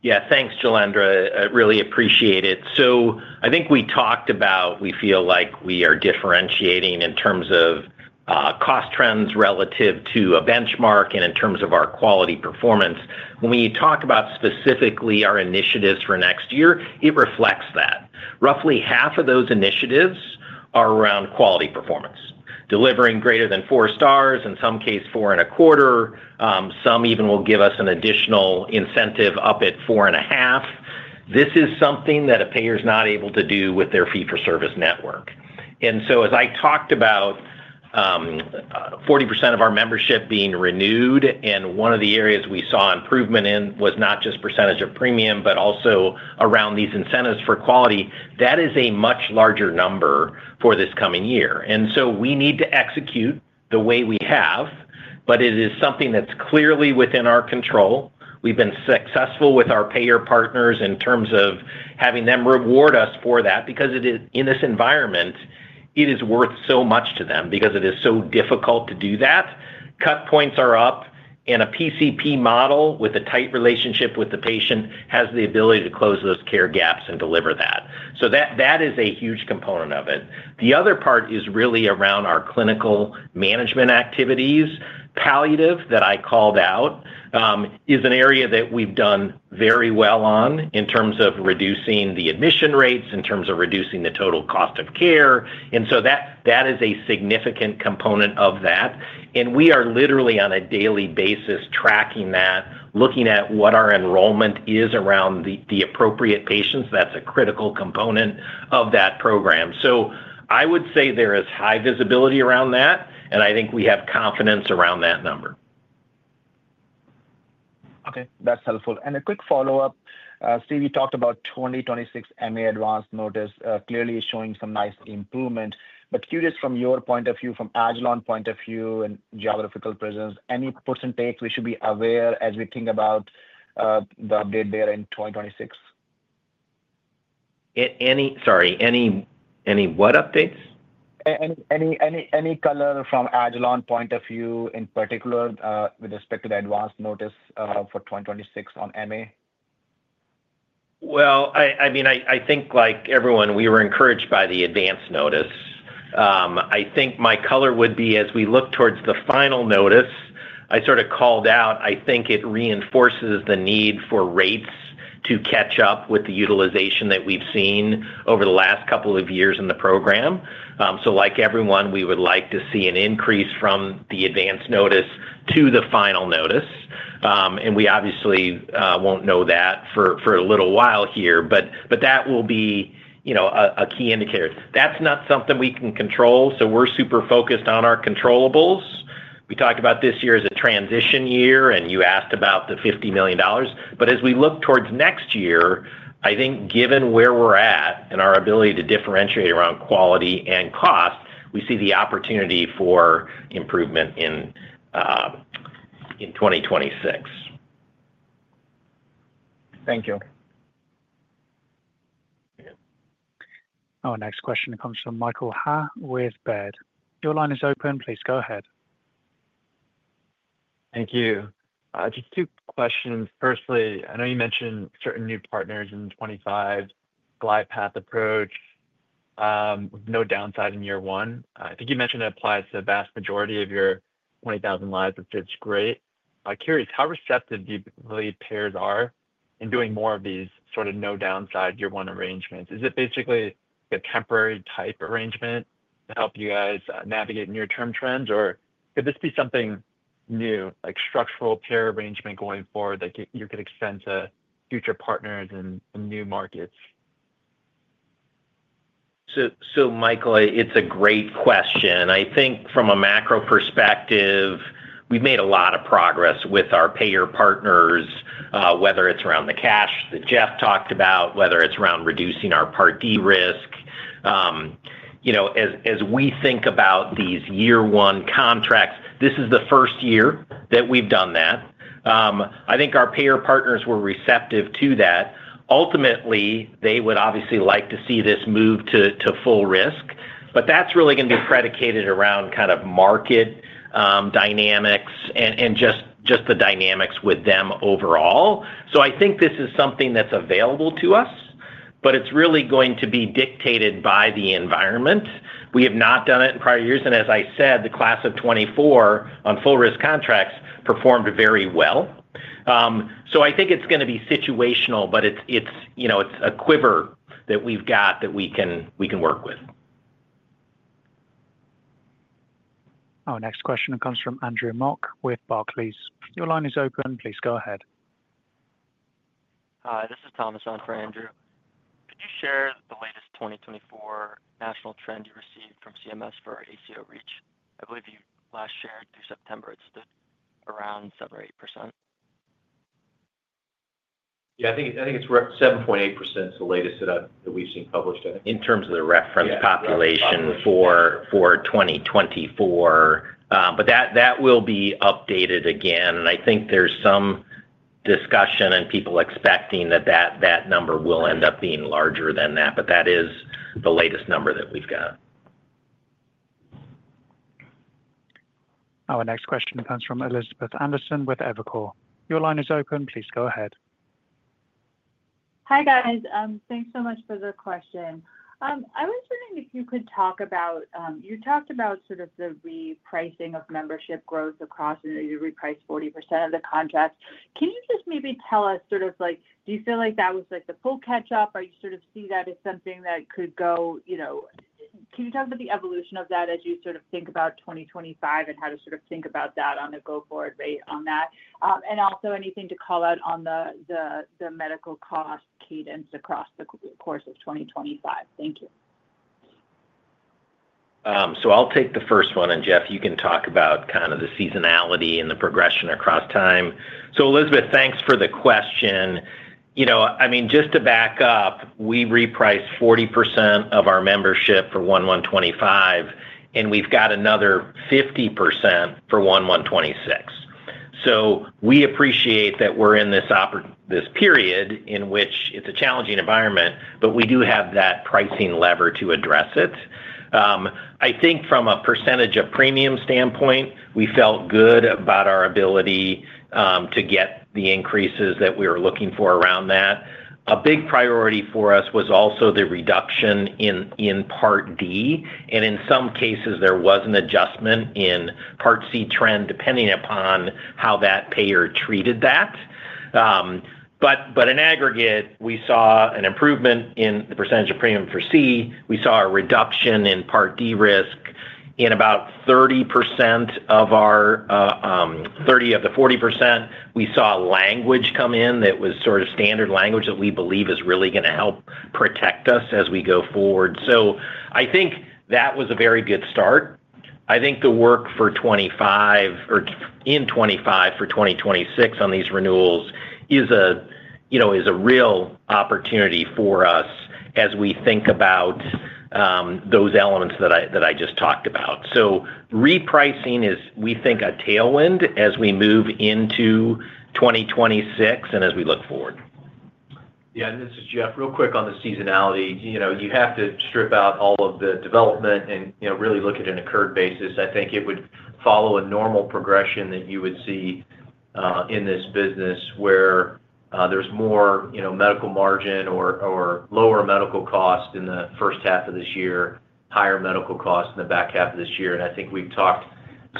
Yeah, thanks, Jailendra. Really appreciate it. So I think we talked about we feel like we are differentiating in terms of cost trends relative to a benchmark and in terms of our quality performance. When we talk about specifically our initiatives for next year, it reflects that. Roughly half of those initiatives are around quality performance, delivering greater than four stars, in some cases four and a quarter. Some even will give us an additional incentive up at four and a half. This is something that a payer is not able to do with their fee-for-service network. And so as I talked about, 40% of our membership being renewed, and one of the areas we saw improvement in was not just percentage of premium, but also around these incentives for quality. That is a much larger number for this coming year. And so we need to execute the way we have, but it is something that's clearly within our control. We've been successful with our payer partners in terms of having them reward us for that because in this environment, it is worth so much to them because it is so difficult to do that. Cut Points are up, and a PCP model with a tight relationship with the patient has the ability to close those care gaps and deliver that. So that is a huge component of it. The other part is really around our clinical management activities. Palliative that I called out is an area that we've done very well on in terms of reducing the admission rates, in terms of reducing the total cost of care. And so that is a significant component of that. And we are literally on a daily basis tracking that, looking at what our enrollment is around the appropriate patients. That's a critical component of that program. So I would say there is high visibility around that, and I think we have confidence around that number. Okay, that's helpful. And a quick follow-up. Steve, you talked about 2026 MA Advance Notice clearly showing some nice improvement. But curious from your point of view, from Agilon point of view and geographical presence, any percentage we should be aware as we think about the update there in 2026? Sorry, any what updates? Any color from Agilon point of view in particular with respect to the Advance Notice for 2026 on MA? Well, I mean, I think like everyone, we were encouraged by the Advance Notice. I think my color would be as we look towards the final notice, I sort of called out, I think it reinforces the need for rates to catch up with the utilization that we've seen over the last couple of years in the program. So like everyone, we would like to see an increase from the Advance Notice to the final notice. And we obviously won't know that for a little while here, but that will be a key indicator. That's not something we can control. So we're super focused on our controllables. We talked about this year as a transition year, and you asked about the $50 million. But as we look towards next year, I think given where we're at and our ability to differentiate around quality and cost, we see the opportunity for improvement in 2026. Thank you. Our next question comes from Michael Ha with Baird. Your line is open. Please go ahead. Thank you. Just two questions. Firstly, I know you mentioned certain new partners in 2025, glide path approach with no downside in year one. I think you mentioned it applies to the vast majority of your 20,000 lives, which is great. Curious, how receptive do you believe payers are in doing more of these sort of no downside year one arrangements? Is it basically a temporary type arrangement to help you guys navigate near-term trends, or could this be something new, like structural payer arrangement going forward that you could extend to future partners and new markets? So Michael, it is a great question. I think from a macro perspective, we have made a lot of progress with our payer partners, whether it is around the cash that Jeff talked about, whether it is around reducing our Part D risk. As we think about these year one contracts, this is the first year that we've done that. I think our payer partners were receptive to that. Ultimately, they would obviously like to see this move to full risk, but that's really going to be predicated around kind of market dynamics and just the dynamics with them overall. So I think this is something that's available to us, but it's really going to be dictated by the environment. We have not done it in prior years, and as I said, the Class of 2024 on full risk contracts performed very well. So I think it's going to be situational, but it's a quiver that we've got that we can work with. Our next question comes from Andrew Mok with Barclays. Your line is open. Please go ahead. Hi, this is Thomas on for Andrew. Could you share the latest 2024 national trend you received from CMS for ACO REACH? I believe you last shared through September it stood around 7 or 8%. Yeah, I think it's 7.8% is the latest that we've seen published in terms of the reference population for 2024. But that will be updated again. And I think there's some discussion and people expecting that that number will end up being larger than that, but that is the latest number that we've got. Our next question comes from Elizabeth Anderson with Evercore ISI. Your line is open. Please go ahead. Hi guys. Thanks so much for the question. I was wondering if you could talk about you talked about sort of the repricing of membership growth across and you repriced 40% of the contracts. Can you just maybe tell us sort of do you feel like that was the full catch-up? Are you sort of see that as something that could go? Can you talk about the evolution of that as you sort of think about 2025 and how to sort of think about that on a go-forward rate on that? And also anything to call out on the medical cost cadence across the course of 2025? Thank you. So I'll take the first one. And Jeff, you can talk about kind of the seasonality and the progression across time. So Elizabeth, thanks for the question. I mean, just to back up, we repriced 40% of our membership for 1/1/2025, and we've got another 50% for 1/1/2026. So we appreciate that we're in this period in which it's a challenging environment, but we do have that pricing lever to address it. I think from a percentage of premium standpoint, we felt good about our ability to get the increases that we were looking for around that. A big priority for us was also the reduction in Part D, and in some cases, there was an adjustment in Part C trend depending upon how that payer treated that, but in aggregate, we saw an improvement in the percentage of premium for C. We saw a reduction in Part D risk in about 30% of our 30 of the 40%. We saw language come in that was sort of standard language that we believe is really going to help protect us as we go forward, so I think that was a very good start. I think the work for 2025 or in 2025 for 2026 on these renewals is a real opportunity for us as we think about those elements that I just talked about. So repricing is, we think, a tailwind as we move into 2026 and as we look forward. Yeah, and this is Jeff. Real quick on the seasonality. You have to strip out all of the development and really look at an incurred basis. I think it would follow a normal progression that you would see in this business where there's more medical margin or lower medical cost in the first half of this year, higher medical cost in the back half of this year, and I think we've talked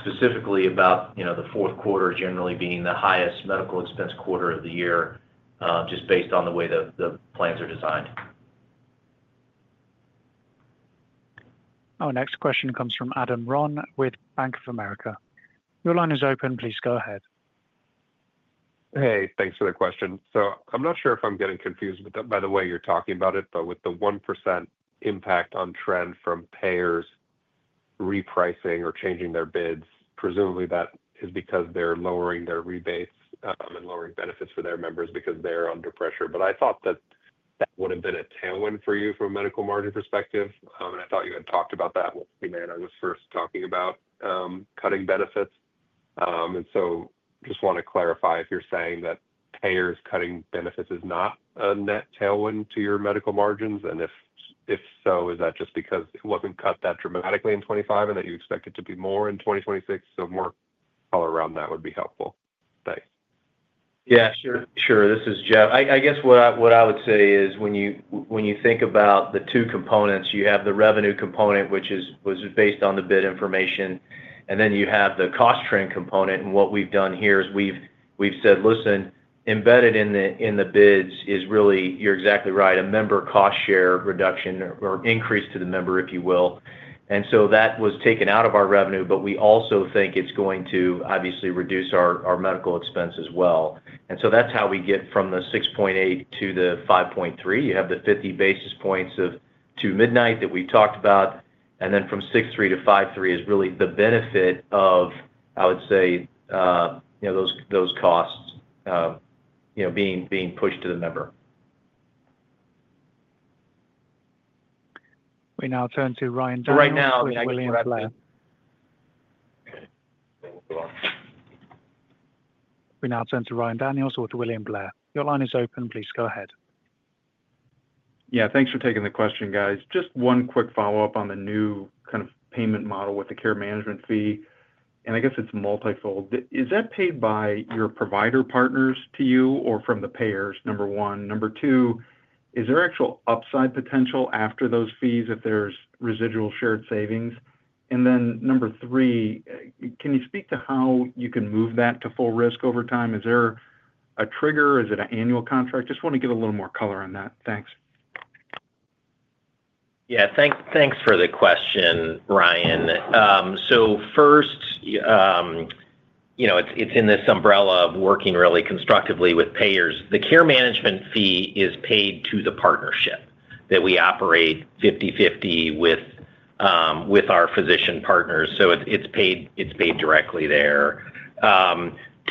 specifically about the fourth quarter generally being the highest medical expense quarter of the year just based on the way the plans are designed. Our next question comes from Adam Ron with Bank of America. Your line is open. Please go ahead. Hey, thanks for the question. So I'm not sure if I'm getting confused by the way you're talking about it, but with the 1% impact on trend from payers repricing or changing their bids, presumably that is because they're lowering their rebates and lowering benefits for their members because they're under pressure. But I thought that that would have been a tailwind for you from a Medical Margin perspective. And I thought you had talked about that when we met. I was first talking about cutting benefits. And so just want to clarify if you're saying that payers cutting benefits is not a net tailwind to your Medical Margins? If so, is that just because it wasn't cut that dramatically in 2025 and that you expect it to be more in 2026? More color around that would be helpful. Thanks. Yeah, sure. Sure. This is Jeff. I guess what I would say is when you think about the two components, you have the revenue component, which was based on the bid information, and then you have the cost trend component. What we've done here is we've said, "Listen, embedded in the bids is really, you're exactly right, a member cost share reduction or increase to the member, if you will." That was taken out of our revenue, but we also think it's going to obviously reduce our medical expense as well. That's how we get from the 6.8% to the 5.3%. You have the 50 basis points of the Two-Midnight that we've talked about. And then from 6.3%-5.3% is really the benefit of, I would say, those costs being pushed to the member. We now turn to Ryan Daniels with William Blair. Your line is open. Please go ahead. Yeah, thanks for taking the question, guys. Just one quick follow-up on the new kind of payment model with the care management fee. And I guess it's multifold. Is that paid by your provider partners to you or from the payers, number one? Number two, is there actual upside potential after those fees if there's residual shared savings? And then number three, can you speak to how you can move that to full risk over time? Is there a trigger? Is it an annual contract? Just want to get a little more color on that. Thanks. Yeah, thanks for the question, Ryan. So first, it's in this umbrella of working really constructively with payers. The care management fee is paid to the partnership that we operate 50/50 with our physician partners. So it's paid directly there.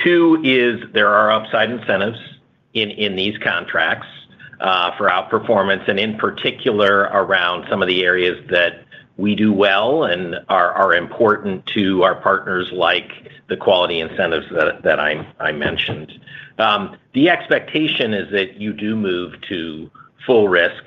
Two is there are upside incentives in these contracts for outperformance and in particular around some of the areas that we do well and are important to our partners like the quality incentives that I mentioned. The expectation is that you do move to full risk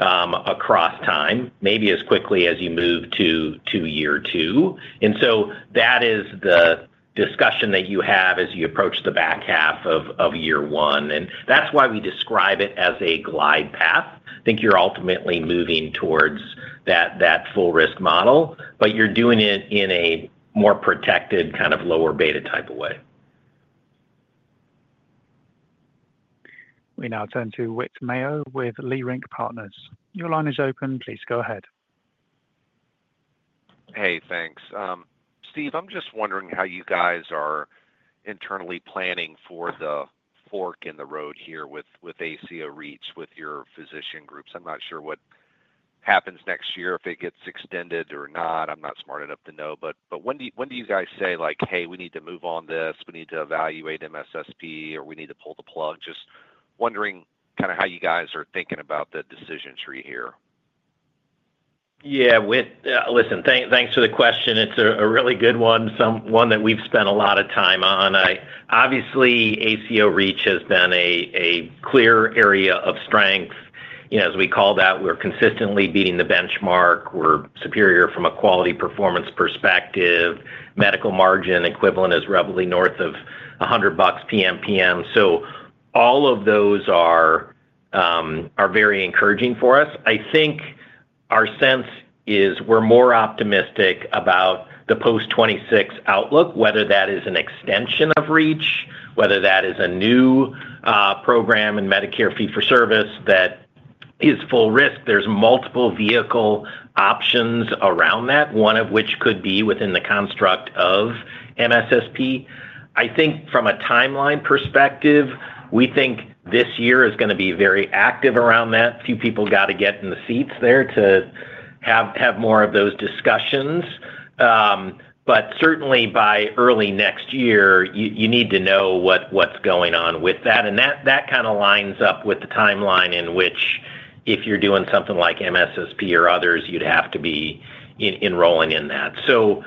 across time, maybe as quickly as you move to year two. And so that is the discussion that you have as you approach the back half of year one. And that's why we describe it as a glide path. I think you're ultimately moving towards that full risk model, but you're doing it in a more protected kind of lower beta type of way. We now turn to Whit Mayo with Leerink Partners. Your line is open. Please go ahead. Hey, thanks. Steve, I'm just wondering how you guys are internally planning for the fork in the road here with ACO REACH with your physician groups. I'm not sure what happens next year if it gets extended or not. I'm not smart enough to know. But when do you guys say, "Hey, we need to move on this. We need to evaluate MSSP," or, "We need to pull the plug"? Just wondering kind of how you guys are thinking about the decision tree here. Yeah. Listen, thanks for the question. It's a really good one, one that we've spent a lot of time on. Obviously, ACO REACH has been a clear area of strength. As we call that, we're consistently beating the benchmark. We're superior from a quality performance perspective. Medical margin equivalent is readily north of $100 PMPM. So all of those are very encouraging for us. I think our sense is we're more optimistic about the post-2026 outlook, whether that is an extension of REACH, whether that is a new program in Medicare fee for service that is full risk. There's multiple vehicle options around that, one of which could be within the construct of MSSP. I think from a timeline perspective, we think this year is going to be very active around that. Few people got to get in the seats there to have more of those discussions. But certainly by early next year, you need to know what's going on with that. And that kind of lines up with the timeline in which if you're doing something like MSSP or others, you'd have to be enrolling in that. So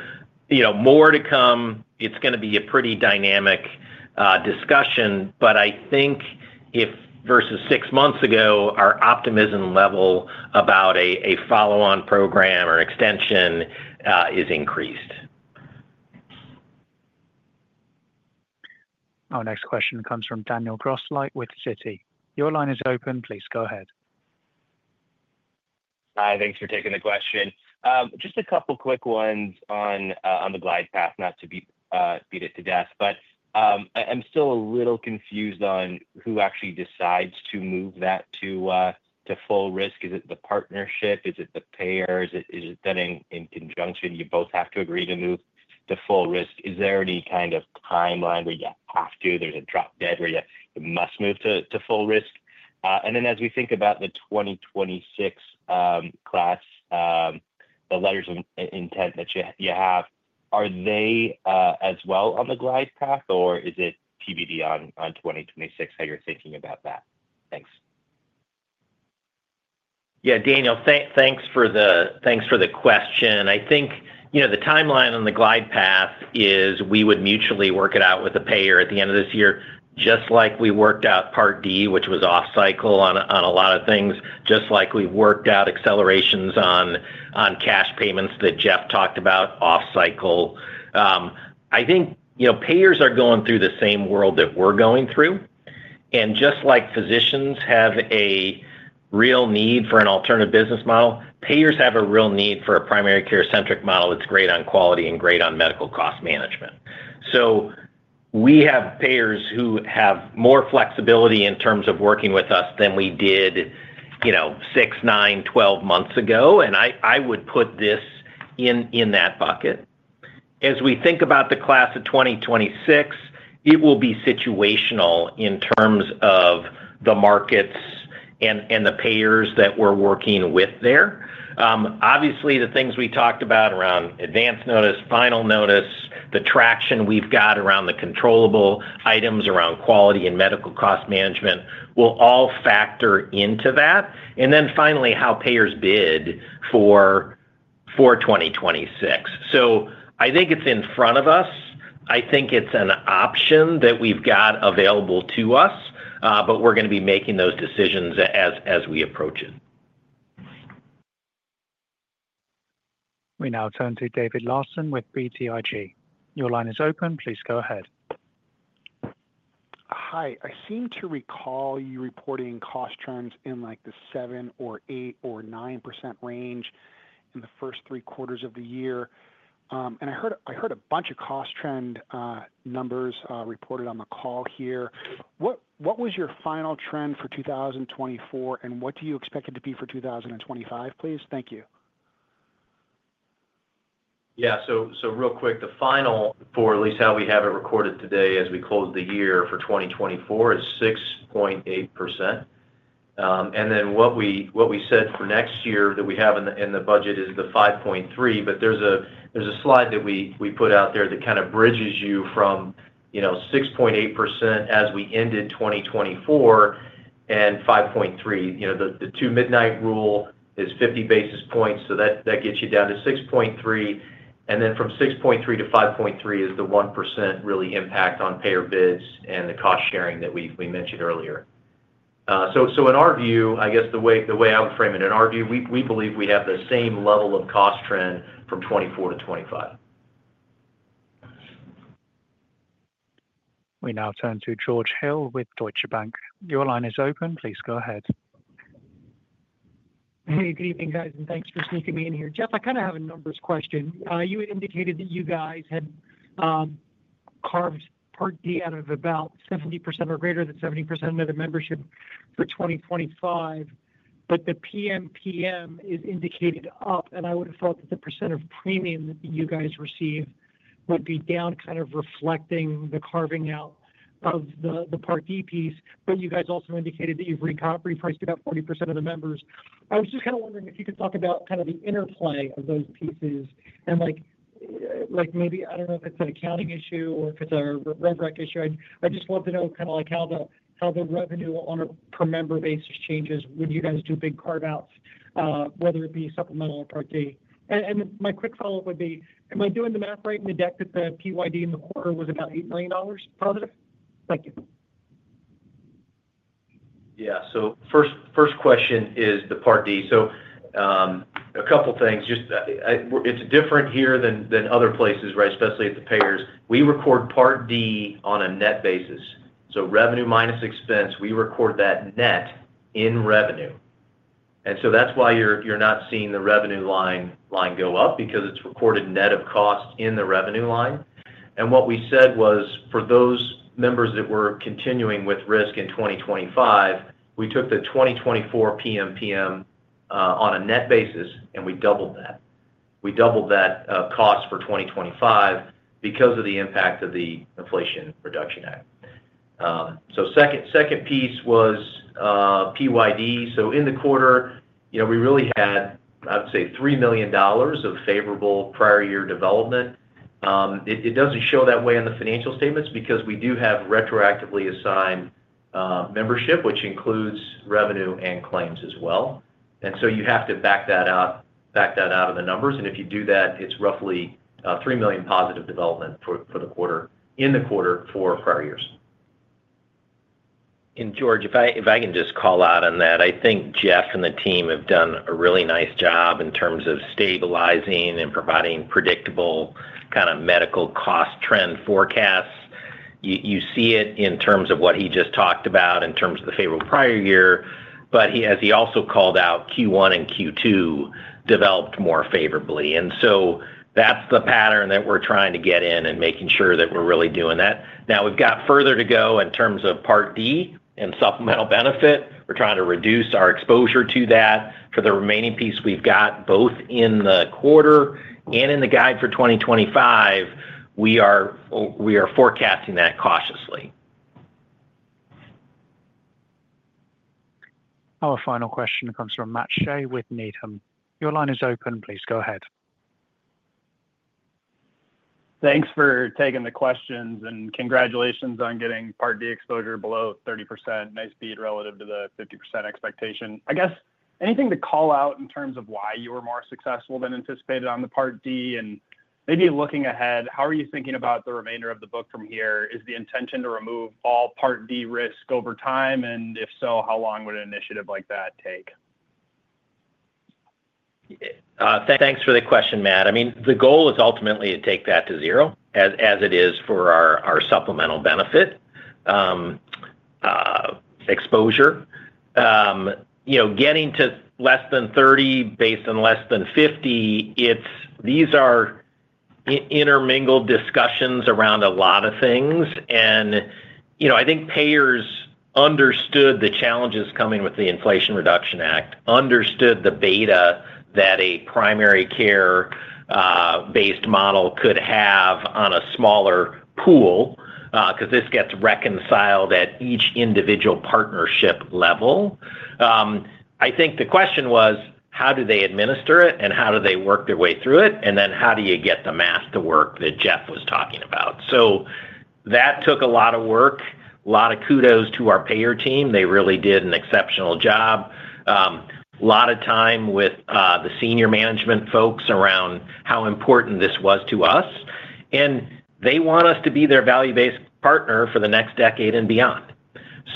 more to come. It's going to be a pretty dynamic discussion, but I think versus six months ago, our optimism level about a follow-on program or extension is increased. Our next question comes from Daniel Grosslight with Citi. Your line is open. Please go ahead. Hi. Thanks for taking the question. Just a couple of quick ones on the glide path, not to beat it to death, but I'm still a little confused on who actually decides to move that to full risk. Is it the partnership? Is it the payers? Is it done in conjunction? You both have to agree to move to full risk. Is there any kind of timeline where you have to? There's a drop dead where you must move to full risk. And then as we think about the 2026 class, the letters of intent that you have, are they as well on the glide path, or is it TBD on 2026 how you're thinking about that? Thanks. Yeah, Daniel, thanks for the question. I think the timeline on the glide path is we would mutually work it out with a payer at the end of this year, just like we worked out Part D, which was off-cycle on a lot of things, just like we worked out accelerations on cash payments that Jeff talked about off-cycle. I think payers are going through the same world that we're going through. And just like physicians have a real need for an alternative business model, payers have a real need for a primary care-centric model that's great on quality and great on medical cost management. So we have payers who have more flexibility in terms of working with us than we did six, nine, 12 months ago. And I would put this in that bucket. As we think about the Class of 2026, it will be situational in terms of the markets and the payers that we're working with there. Obviously, the things we talked about around Advance Notice, Final Notice, the traction we've got around the controllable items around quality and medical cost management will all factor into that. And then finally, how payers bid for 2026. So I think it's in front of us. I think it's an option that we've got available to us, but we're going to be making those decisions as we approach it. We now turn to David Larsen with BTIG. Your line is open. Please go ahead. Hi. I seem to recall you reporting cost trends in the seven or eight or nine percent range in the first three quarters of the year. And I heard a bunch of cost trend numbers reported on the call here. What was your final trend for 2024, and what do you expect it to be for 2025, please? Thank you. Yeah, so real quick, the final for at least how we have it recorded today as we close the year for 2024 is 6.8%. And then what we said for next year that we have in the budget is the 5.3%, but there's a slide that we put out there that kind of bridges you from 6.8% as we ended 2024 and 5.3%. The Two-Midnight Rule is 50 basis points, so that gets you down to 6.3%.mAnd then from 6.3 to 5.3 is the 1% really impact on payer bids and the cost sharing that we mentioned earlier. So in our view, I guess the way I would frame it, in our view, we believe we have the same level of cost trend from 2024 to 2025. We now turn to George Hill with Deutsche Bank. Your line is open. Please go ahead. Hey, good evening, guys, and thanks for sneaking me in here. Jeff, I kind of have a numbers question. You had indicated that you guys had carved Part D out of about 70% or greater than 70% of the membership for 2025, but the PMPM is indicated up, and I would have thought that the percent of premium that you guys receive would be down kind of reflecting the carving out of the Part D piece. But you guys also indicated that you've repriced about 40% of the members. I was just kind of wondering if you could talk about kind of the interplay of those pieces and maybe I don't know if it's an accounting issue or if it's a Rev Rec issue. I just want to know kind of how the revenue on a per member basis changes when you guys do big carve-outs, whether it be supplemental or Part D. And my quick follow-up would be, am I doing the math right in the deck that the PYD in the quarter was about $8 million positive? Thank you. Yeah. So first question is the Part D. So a couple of things. It's different here than other places, right, especially at the payers. We record Part D on a net basis. So revenue minus expense, we record that net in revenue. And so that's why you're not seeing the revenue line go up because it's recorded net of cost in the revenue line. And what we said was for those members that were continuing with risk in 2025, we took the 2024 PMPM on a net basis, and we doubled that. We doubled that cost for 2025 because of the impact of the Inflation Reduction Act. So second piece was PYD. So in the quarter, we really had, I would say, $3 million of favorable prior year development. It doesn't show that way in the financial statements because we do have retroactively assigned membership, which includes revenue and claims as well. And so you have to back that out of the numbers. And if you do that, it's roughly $3 million positive development in the quarter for prior years. George, if I can just call out on that, I think Jeff and the team have done a really nice job in terms of stabilizing and providing predictable kind of medical cost trend forecasts. You see it in terms of what he just talked about in terms of the favorable prior year, but as he also called out, Q1 and Q2 developed more favorably. And so that's the pattern that we're trying to get in and making sure that we're really doing that. Now, we've got further to go in terms of Part D and supplemental benefit. We're trying to reduce our exposure to that. For the remaining piece, we've got both in the quarter and in the guide for 2025, we are forecasting that cautiously. Our final question comes from Matt Shea with Needham. Your line is open. Please go ahead. Thanks for taking the questions, and congratulations on getting Part D exposure below 30%. Nice beat relative to the 50% expectation. I guess anything to call out in terms of why you were more successful than anticipated on the Part D? And maybe looking ahead, how are you thinking about the remainder of the book from here? Is the intention to remove all Part D risk over time? And if so, how long would an initiative like that take? Thanks for the question, Matt. I mean, the goal is ultimately to take that to zero, as it is for our supplemental benefit exposure. Getting to less than 30% based on less than 50%, these are intermingled discussions around a lot of things. I think payers understood the challenges coming with the Inflation Reduction Act, understood the beta that a primary care-based model could have on a smaller pool because this gets reconciled at each individual partnership level. I think the question was, how do they administer it, and how do they work their way through it, and then how do you get the math to work that Jeff was talking about? That took a lot of work. A lot of kudos to our payer team. They really did an exceptional job. A lot of time with the senior management folks around how important this was to us. They want us to be their value-based partner for the next decade and beyond.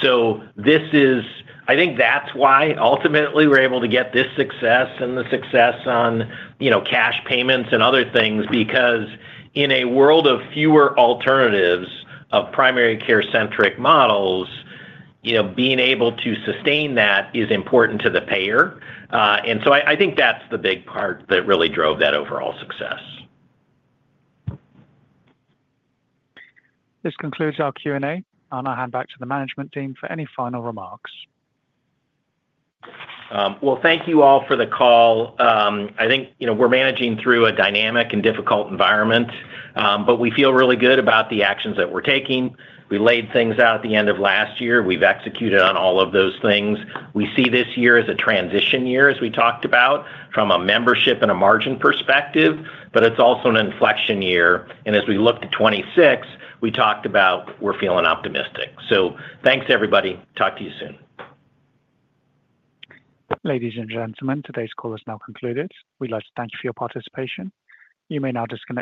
So, I think that's why ultimately we're able to get this success and the success on cash payments and other things because in a world of fewer alternatives of primary care-centric models, being able to sustain that is important to the payer. And so I think that's the big part that really drove that overall success. This concludes our Q&A. I'll now hand back to the management team for any final remarks. Well, thank you all for the call. I think we're managing through a dynamic and difficult environment, but we feel really good about the actions that we're taking. We laid things out at the end of last year. We've executed on all of those things. We see this year as a transition year, as we talked about, from a membership and a margin perspective, but it's also an inflection year. And as we look to 2026, we talked about we're feeling optimistic. So thanks, everybody. Talk to you soon. Ladies and gentlemen, today's call is now concluded. We'd like to thank you for your participation. You may now disconnect.